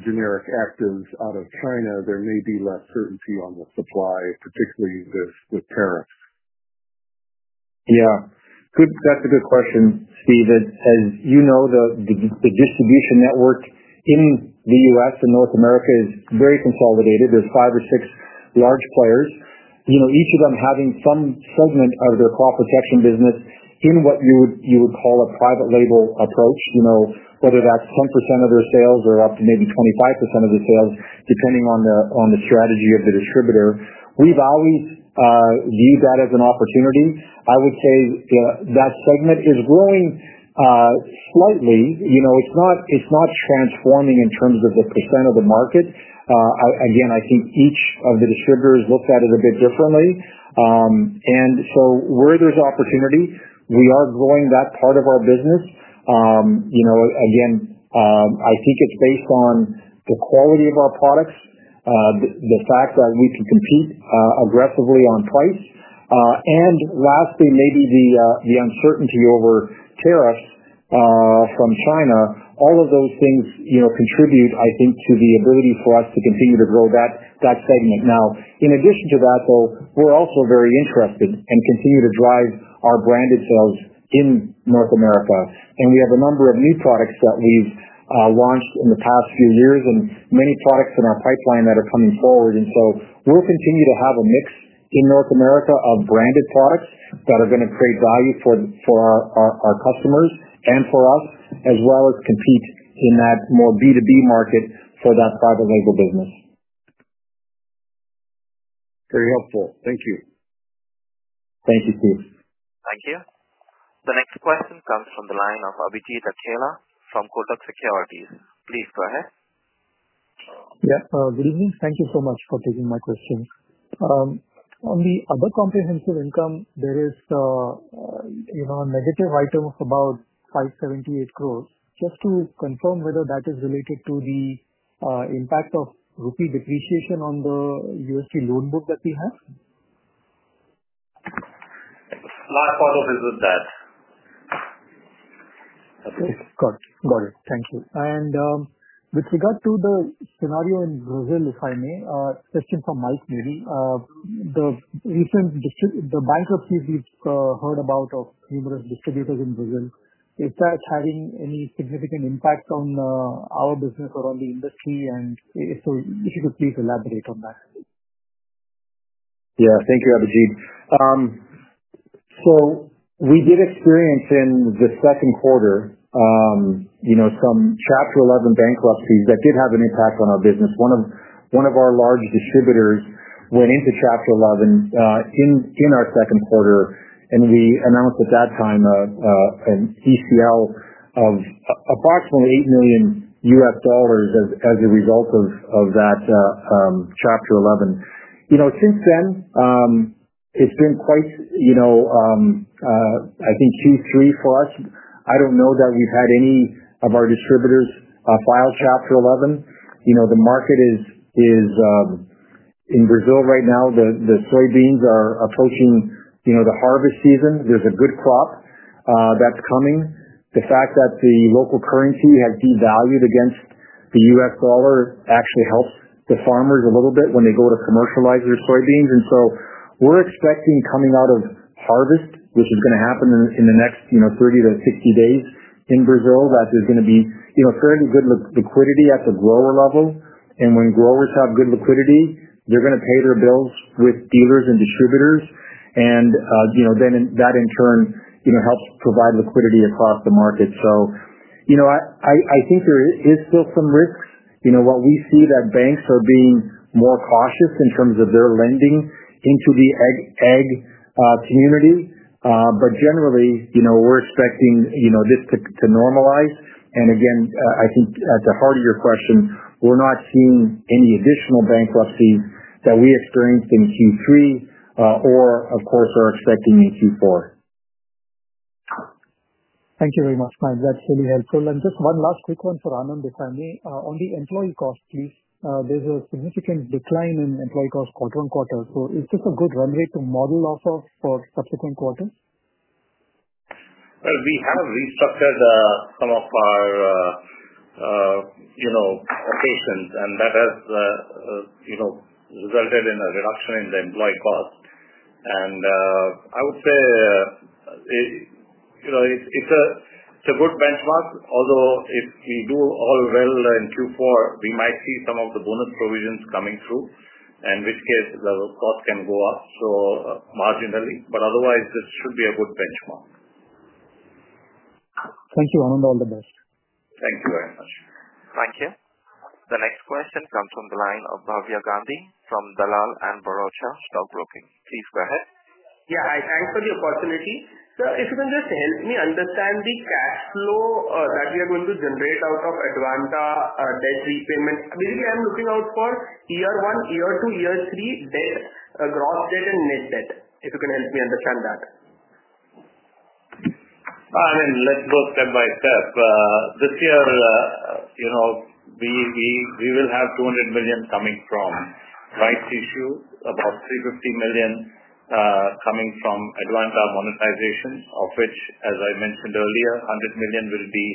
generic actives out of China, there may be less certainty on the supply, particularly with tariffs? Yeah. That's a good question, Steve. As you know, the distribution network in the U.S. and North America is very consolidated. There's five or six large players, each of them having some segment of their crop protection business in what you would call a private label approach, whether that's 10% of their sales or up to maybe 25% of the sales, depending on the strategy of the distributor. We've always viewed that as an opportunity. I would say that segment is growing slightly. It's not transforming in terms of the % of the market. Again, I think each of the distributors looks at it a bit differently. And so where there's opportunity, we are growing that part of our business. Again, I think it's based on the quality of our products, the fact that we can compete aggressively on price. And lastly, maybe the uncertainty over tariffs from China. All of those things contribute, I think, to the ability for us to continue to grow that segment. Now, in addition to that, though, we're also very interested and continue to drive our branded sales in North America. And we have a number of new products that we've launched in the past few years and many products in our pipeline that are coming forward. And so we'll continue to have a mix in North America of branded products that are going to create value for our customers and for us, as well as compete in that more B2B market for that private label business. Very helpful. Thank you. Thank you, Steve. Thank you. The next question comes from the line of Abhijit Akella from Kotak Securities. Please go ahead. Yeah. Good evening. Thank you so much for taking my question. On the Other Comprehensive Income, there is a negative item of about 578 crores. Just to confirm whether that is related to the impact of rupee depreciation on the USD loan book that we have? Last part of it is that. Okay. Got it. Thank you. And with regard to the scenario in Brazil, if I may, a question for Mike maybe. The bankruptcies we've heard about of numerous distributors in Brazil, is that having any significant impact on our business or on the industry? And if so, if you could please elaborate on that. Yeah. Thank you, Abhijit. So we did experience in the second quarter some Chapter 11 bankruptcies that did have an impact on our business. One of our large distributors went into Chapter 11 in our second quarter, and we announced at that time an ECL of approximately $8 million as a result of that Chapter 11. Since then, it's been quiet, I think, Q3 for us. I don't know that we've had any of our distributors file Chapter 11. The market is in Brazil right now. The soybeans are approaching the harvest season. There's a good crop that's coming. The fact that the local currency has devalued against the US dollar actually helps the farmers a little bit when they go to commercialize their soybeans. We're expecting coming out of harvest, which is going to happen in the next 30-60 days in Brazil, that there's going to be fairly good liquidity at the grower level. And when growers have good liquidity, they're going to pay their bills with dealers and distributors. And then that, in turn, helps provide liquidity across the market. So I think there is still some risks. What we see is that banks are being more cautious in terms of their lending into the ag community. But generally, we're expecting this to normalize. And again, I think at the heart of your question, we're not seeing any additional bankruptcies that we experienced in Q3 or, of course, are expecting in Q4. Thank you very much, Mike. That's really helpful. And just one last quick one for Anand, if I may. On the employee cost, please. There's a significant decline in employee cost quarter on quarter. So is this a good run rate to model off of for subsequent quarters? We have restructured some of our operations, and that has resulted in a reduction in the employee cost. I would say it's a good benchmark. Although if we do well in Q4, we might see some of the bonus provisions coming through, in which case the cost can go up so marginally. Otherwise, this should be a good benchmark. Thank you, Anand. All the best. Thank you very much. Thank you. The next question comes from the line of Bhavya Gandhi from Dalal & Broacha Stock Broking. Please go ahead. Yeah. I thank for the opportunity. So if you can just help me understand the cash flow that we are going to generate out of Advanta debt repayment? Basically, I'm looking out for year one, year two, year three, gross debt and net debt, if you can help me understand that? Anand, let's go step by step. This year, we will have $200 million coming from rights issues, about $350 million coming from Advanta monetization, of which, as I mentioned earlier, $100 million will be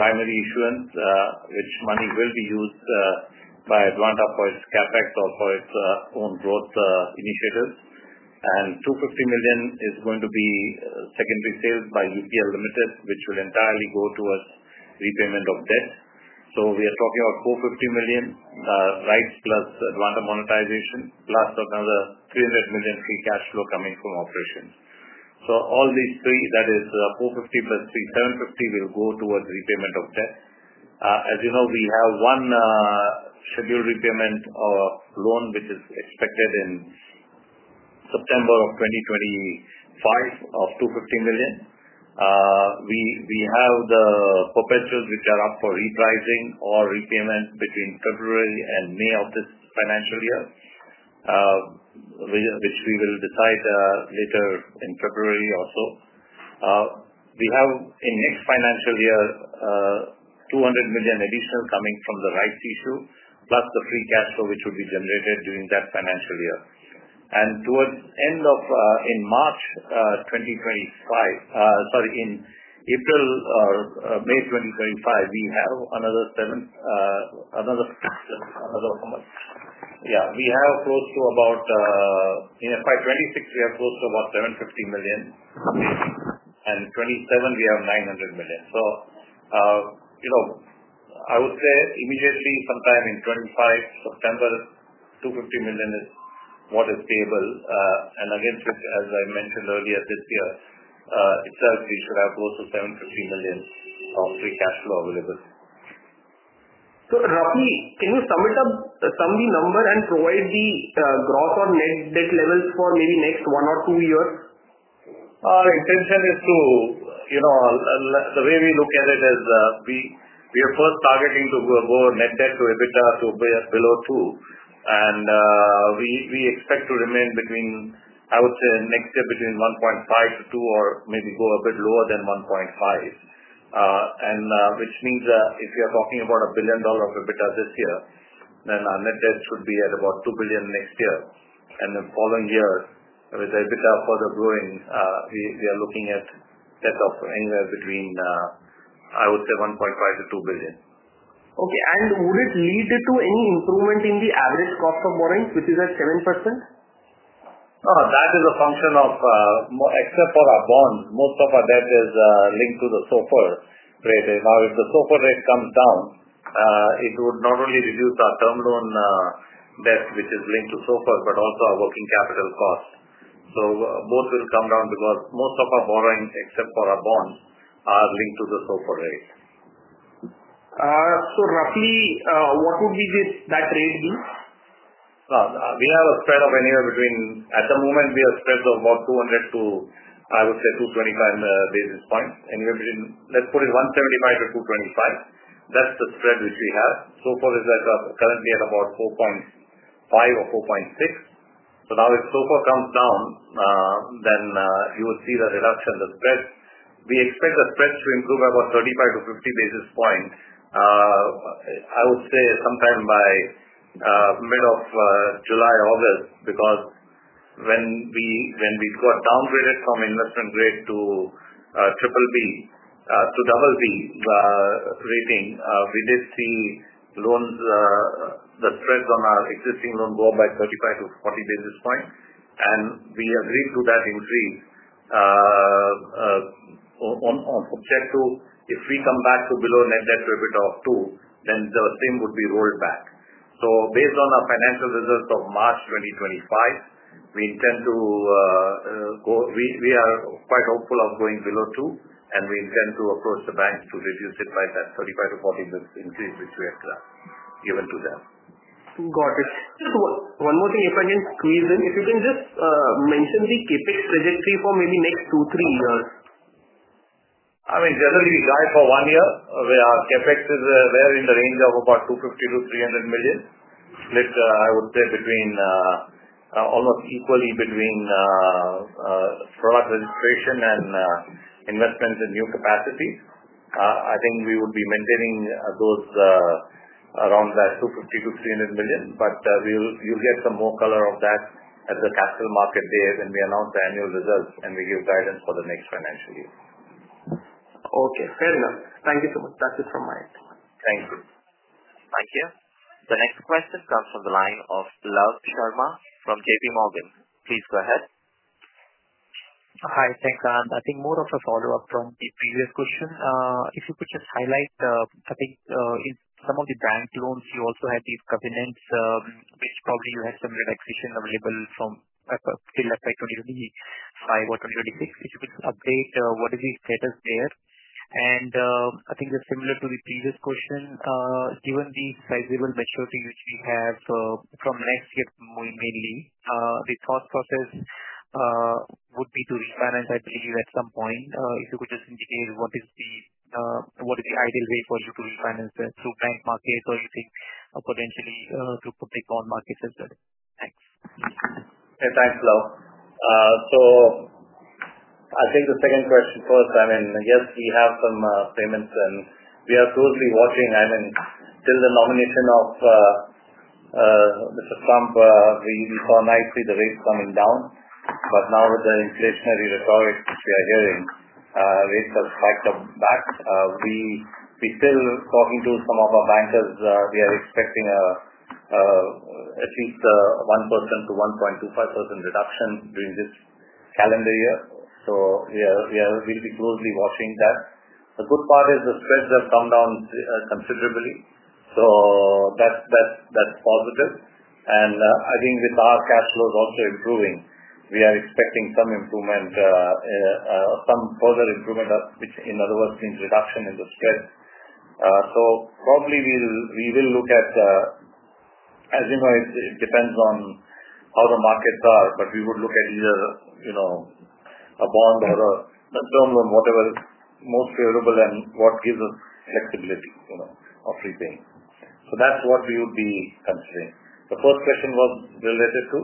primary issuance, which money will be used by Advanta for its CapEx or for its own growth initiatives, and $250 million is going to be secondary sales by UPL Limited, which will entirely go towards repayment of debt, so we are talking about $450 million, rights plus Advanta monetization, plus another $300 million free cash flow coming from operations, so all these three, that is $450 + $350, will go towards repayment of debt. As you know, we have one scheduled repayment of loan, which is expected in September of 2025, of $250 million. We have the perpetuals, which are up for repricing or repayment between February and May of this financial year, which we will decide later in February also. We have, in next financial year, $200 million additional coming from the rights issue, plus the free cash flow, which will be generated during that financial year. And towards the end of in March 2025, sorry, in April or May 2025, we have another 7, another yeah, we have close to about by 2026, we have close to about $750 million, and 2027, we have $900 million. So I would say immediately, sometime in 2025, September, $250 million is what is stable. And again, as I mentioned earlier, this year, it certainly should have close to $750 million of free cash flow available. Raj, can you sum it up, sum the number and provide the gross or net debt levels for maybe next one or two years? Intention is, the way we look at it, is we are first targeting to go net debt to EBITDA to below $2. And we expect to remain between, I would say, next year between $1.5-$2 or maybe go a bit lower than $1.5, which means if you're talking about $1 billion EBITDA this year, then our net debt should be at about $2 billion next year. And the following year, with EBITDA further growing, we are looking at debt of anywhere between, I would say, $1.5-$2 billion. Okay. And would it lead to any improvement in the average cost of borrowing, which is at 7%? That is a function of except for our bonds, most of our debt is linked to the SOFR rate. Now, if the SOFR rate comes down, it would not only reduce our term loan debt, which is linked to SOFR, but also our working capital cost. So both will come down because most of our borrowing, except for our bonds, are linked to the SOFR rate. Roughly, what would that rate be? We have a spread of anywhere between at the moment, we have spreads of about 200 to, I would say, 225 basis points. Let's put it 175-225. That's the spread which we have. SOFR is currently at about 4.5 or 4.6. So now if SOFR comes down, then you will see the reduction, the spread. We expect the spread to improve about 35-50 basis points, I would say, sometime by mid of July or August, because when we got downgraded from investment grade to BBB to BB rating, we did see the spreads on our existing loan go up by 35-40 basis points. We agreed to that increase on condition that if we come back to below net debt to EBITDA of $2, then the same would be rolled back. Based on our financial results of March 2025, we are quite hopeful of going below $2, and we intend to approach the bank to reduce it by that 35-40 basis increase which we have given to them. Got it. Just one more thing, if I can squeeze in, if you can just mention the CapEx trajectory for maybe next two, three years. I mean, generally, we guide for one year. Our CapEx is there in the range of about $250 million-$300 million, split, I would say, almost equally between product registration and investment in new capacity. I think we would be maintaining those around that $250 million-$300 million. But you'll get some more color of that at the Capital Market Day when we announce the annual results and we give guidance for the next financial year. Okay. Fair enough. Thank you so much. That's it from my end. Thank you. Thank you. The next question comes from the line of Love Sharma from JPMorgan. Please go ahead. Hi. Thanks, Anand. I think more of a follow-up from the previous question. If you could just highlight, I think in some of the bank loans, you also had these covenants, which probably you had some relaxation available from still left by 2025 or 2026. If you could update what is the status there? And I think just similar to the previous question, given the sizeable maturity which we have from next year mainly, the thought process would be to refinance, I believe, at some point. If you could just indicate what is the ideal way for you to refinance through bank markets or using potentially through public bond markets as well? Thanks. Yeah. Thanks, Love. So I think the second question first, I mean, yes, we have some payments, and we are closely watching. I mean, till the nomination of Mr. Trump, we saw nicely the rates coming down. But now with the inflationary rhetoric which we are hearing, rates have spiked back. We still talking to some of our bankers. We are expecting at least 1%-1.25% reduction during this calendar year. So we'll be closely watching that. The good part is the spreads have come down considerably. So that's positive. And I think with our cash flows also improving, we are expecting some further improvement, which in other words means reduction in the spread. So probably we will look at, as you know, it depends on how the markets are, but we would look at either a bond or a term loan, whatever is most favorable and what gives us flexibility of repaying. So that's what we would be considering. The first question was related to?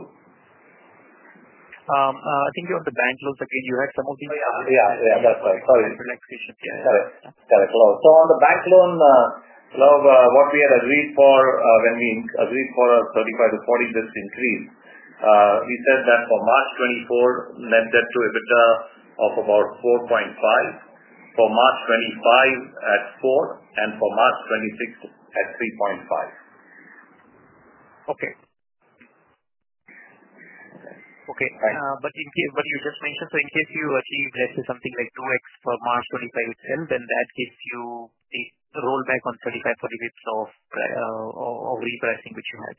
I think you have the bank loans. Again, you had some of the. Oh, yeah. Yeah. Yeah. That's right. Sorry. Relaxation. Correct. Correct. Love. So on the bank loan, Love, what we had agreed for when we agreed for a 35-40 basis points increase, we said that for March 2024, net debt to EBITDA of about 4.5, for March 2025 at 4, and for March 2026 at 3.5. Okay. Okay. But what you just mentioned, so in case you achieve, let's say, something like 2x for March 2025 itself, then that gives you the rollback on 35-40 basis points of repricing which you had.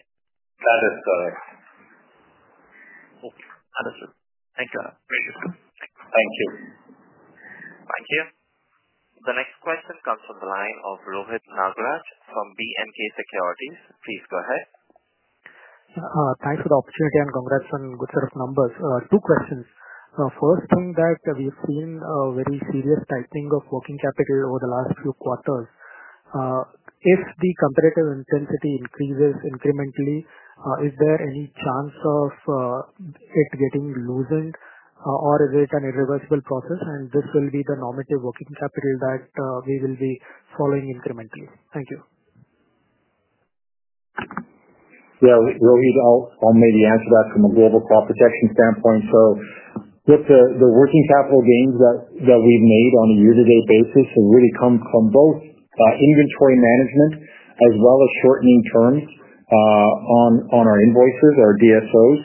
That is correct. Okay. Understood. Thank you, Anand. Very useful. Thank you. Thank you. Thank you. The next question comes from the line of Rohit Nagraj from B&K Securities. Please go ahead. Thanks for the opportunity and congrats on a good set of numbers. Two questions. First thing that we've seen a very serious tightening of working capital over the last few quarters. If the competitive intensity increases incrementally, is there any chance of it getting loosened, or is it an irreversible process? And this will be the normative working capital that we will be following incrementally. Thank you. Yeah. Rohit, I'll maybe answer that from a global crop protection standpoint. So with the working capital gains that we've made on a year-to-date basis have really come from both inventory management as well as shortening terms on our invoices, our DSOs.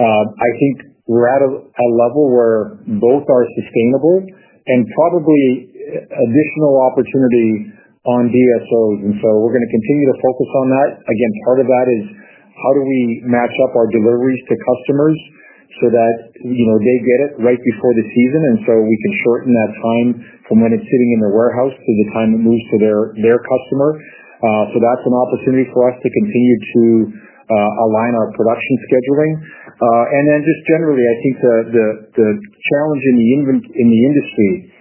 I think we're at a level where both are sustainable and probably additional opportunity on DSOs. And so we're going to continue to focus on that. Again, part of that is how do we match up our deliveries to customers so that they get it right before the season, and so we can shorten that time from when it's sitting in the warehouse to the time it moves to their customer. So that's an opportunity for us to continue to align our production scheduling. And then just generally, I think the challenge in the industry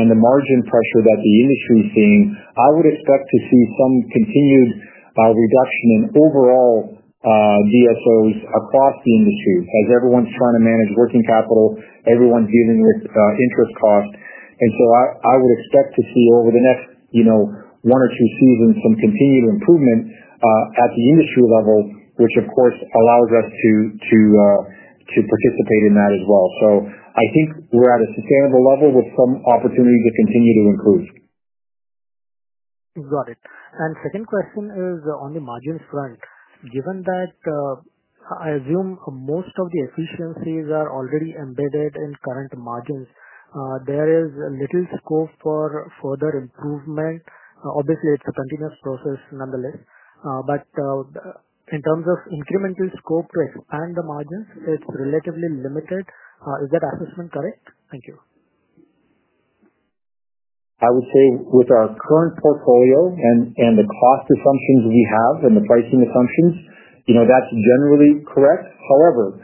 and the margin pressure that the industry is seeing. I would expect to see some continued reduction in overall DSOs across the industry as everyone's trying to manage working capital, everyone's dealing with interest cost. And so I would expect to see over the next one or two seasons some continued improvement at the industry level, which of course allows us to participate in that as well. So I think we're at a sustainable level with some opportunity to continue to improve. Got it. And second question is on the margins front. Given that I assume most of the efficiencies are already embedded in current margins, there is little scope for further improvement. Obviously, it's a continuous process nonetheless. But in terms of incremental scope to expand the margins, it's relatively limited. Is that assessment correct? Thank you. I would say with our current portfolio and the cost assumptions we have and the pricing assumptions, that's generally correct. However,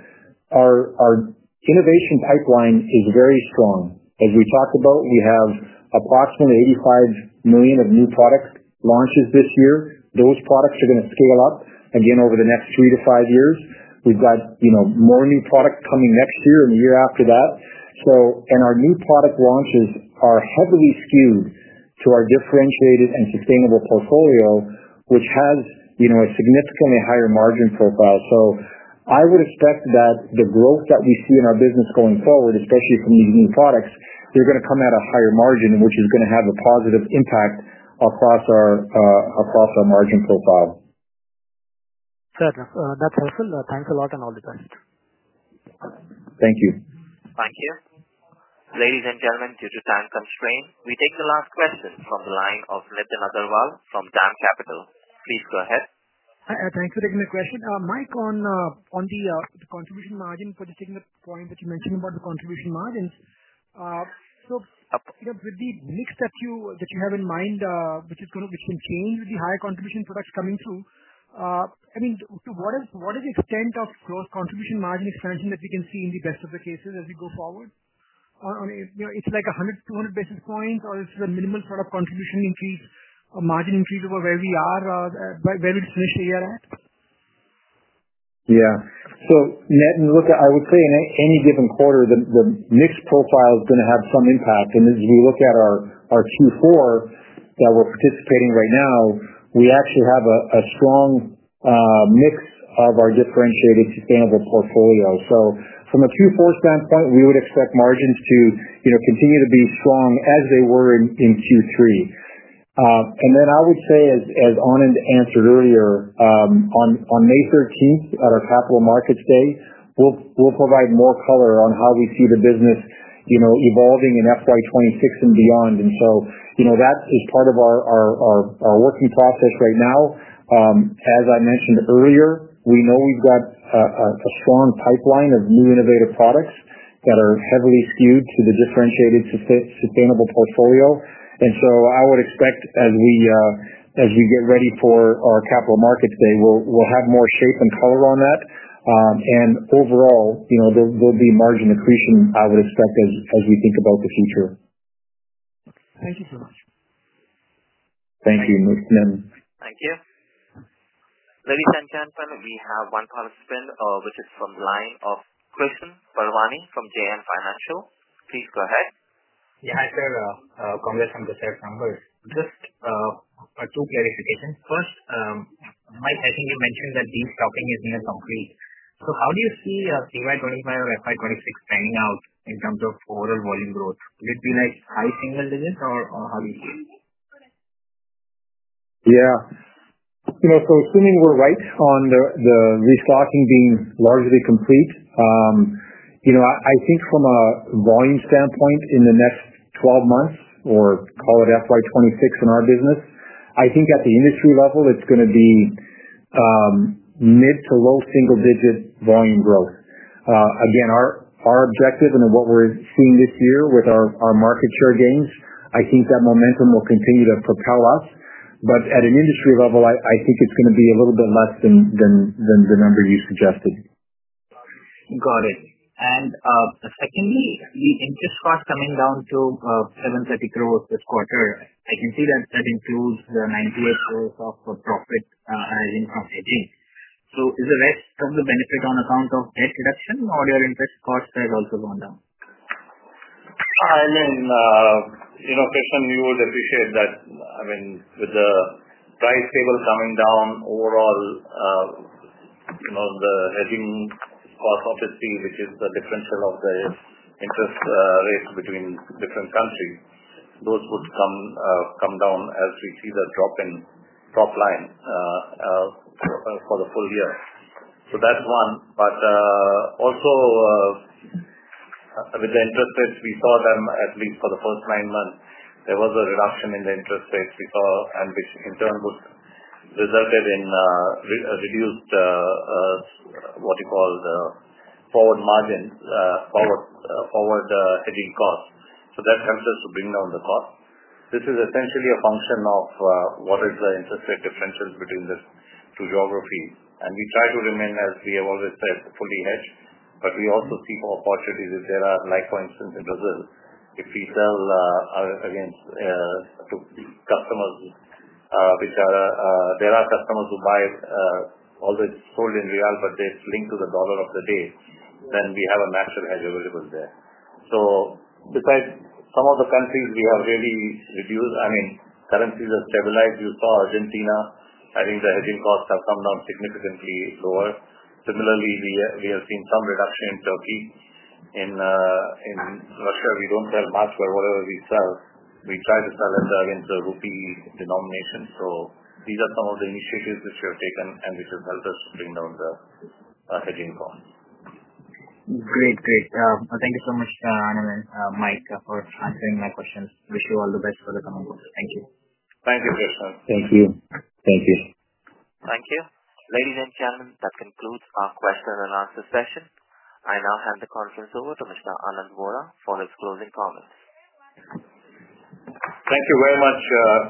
our innovation pipeline is very strong. As we talked about, we have approximately $85 million of new product launches this year. Those products are going to scale up again over the next three to five years. We've got more new products coming next year and the year after that. And our new product launches are heavily skewed to our differentiated and sustainable portfolio, which has a significantly higher margin profile. So I would expect that the growth that we see in our business going forward, especially from these new products, they're going to come at a higher margin, which is going to have a positive impact across our margin profile. Fair enough. That's helpful. Thanks a lot and all the best. Thank you. Thank you. Ladies and gentlemen, due to time constraint, we take the last question from the line of Nitin Agarwal from DAM Capital. Please go ahead. Hi. Thanks for taking the question. Mike, on the contribution margin, for just taking the point that you mentioned about the contribution margins, so with the mix that you have in mind, which can change with the higher contribution products coming through, I mean, to what is the extent of gross contribution margin expansion that we can see in the best of the cases as we go forward? It's like 100-200 basis points, or is it a minimal sort of contribution increase or margin increase over where we are, where we finished the year at? Yeah. So I would say in any given quarter, the mixed profile is going to have some impact. And as we look at our Q4 that we're participating right now, we actually have a strong mix of our differentiated sustainable portfolio. So from a Q4 standpoint, we would expect margins to continue to be strong as they were in Q3. And then I would say, as Anand answered earlier, on May 13th at our Capital Markets Day, we'll provide more color on how we see the business evolving in FY 26 and beyond. And so that is part of our working process right now. As I mentioned earlier, we know we've got a strong pipeline of new innovative products that are heavily skewed to the differentiated sustainable portfolio. And so I would expect as we get ready for our Capital Markets Day, we'll have more shape and color on that. Overall, there'll be margin accretion, I would expect, as we think about the future. Thank you so much. Thank you, Nitin. Thank you. Ladies and gentlemen, we have one participant, which is from line of Krishan Parwani from JM Financial. Please go ahead. Yeah. Hi, sir. Congrats on the shared numbers. Just two clarifications. First, Mike, I think you mentioned that de-stocking is near complete. So how do you see CY25 or FY26 panning out in terms of overall volume growth? Would it be high single digits, or how do you see it? Yeah, so assuming we're right on the restocking being largely complete, I think from a volume standpoint in the next 12 months, or call it FY26 in our business, I think at the industry level, it's going to be mid- to low-single-digit volume growth. Again, our objective and what we're seeing this year with our market share gains, I think that momentum will continue to propel us, but at an industry level, I think it's going to be a little bit less than the number you suggested. Got it. And secondly, the interest cost coming down to 730 crores this quarter, I can see that that includes the 98 crores of profit arising from hedging. So is the rest of the benefit on account of debt reduction, or your interest cost has also gone down? I mean, Krishan, you would appreciate that. I mean, with the price table coming down overall, the hedging cost of it, which is the differential of the interest rates between different countries, those would come down as we see the drop in top line for the full year. So that's one. But also with the interest rates, we saw them at least for the first nine months. There was a reduction in the interest rates we saw, and which in turn resulted in reduced what we call the forward margin, forward hedging cost. So that helps us to bring down the cost. This is essentially a function of what is the interest rate differential between the two geographies. We try to remain, as we have always said, fully hedged, but we also seek opportunities if there are, like for instance, in Brazil, if we sell against customers which are, there are customers who buy always sold in real, but they're linked to the dollar of the day, then we have a natural hedge available there. So besides some of the countries we have really reduced, I mean, currencies are stabilized. You saw Argentina. I think the hedging costs have come down significantly lower. Similarly, we have seen some reduction in Turkey. In Russia, we don't sell much, but whatever we sell, we try to sell it against the ruble denomination. So these are some of the initiatives which we have taken and which have helped us to bring down the hedging costs. Great. Great. Thank you so much, Anand and Mike, for answering my questions. Wish you all the best for the coming quarter. Thank you. Thank you, Krishan. Thank you. Thank you. Thank you. Ladies and gentlemen, that concludes our question and answer session. I now hand the conference over to Mr. Anand Vora for his closing comments. Thank you very much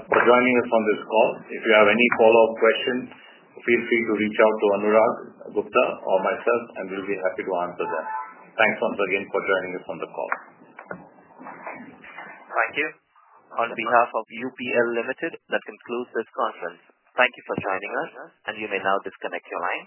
for joining us on this call. If you have any follow-up questions, feel free to reach out to Anurag Gupta or myself, and we'll be happy to answer them. Thanks once again for joining us on the call. Thank you. On behalf of UPL Limited, that concludes this conference. Thank you for joining us, and you may now disconnect your line.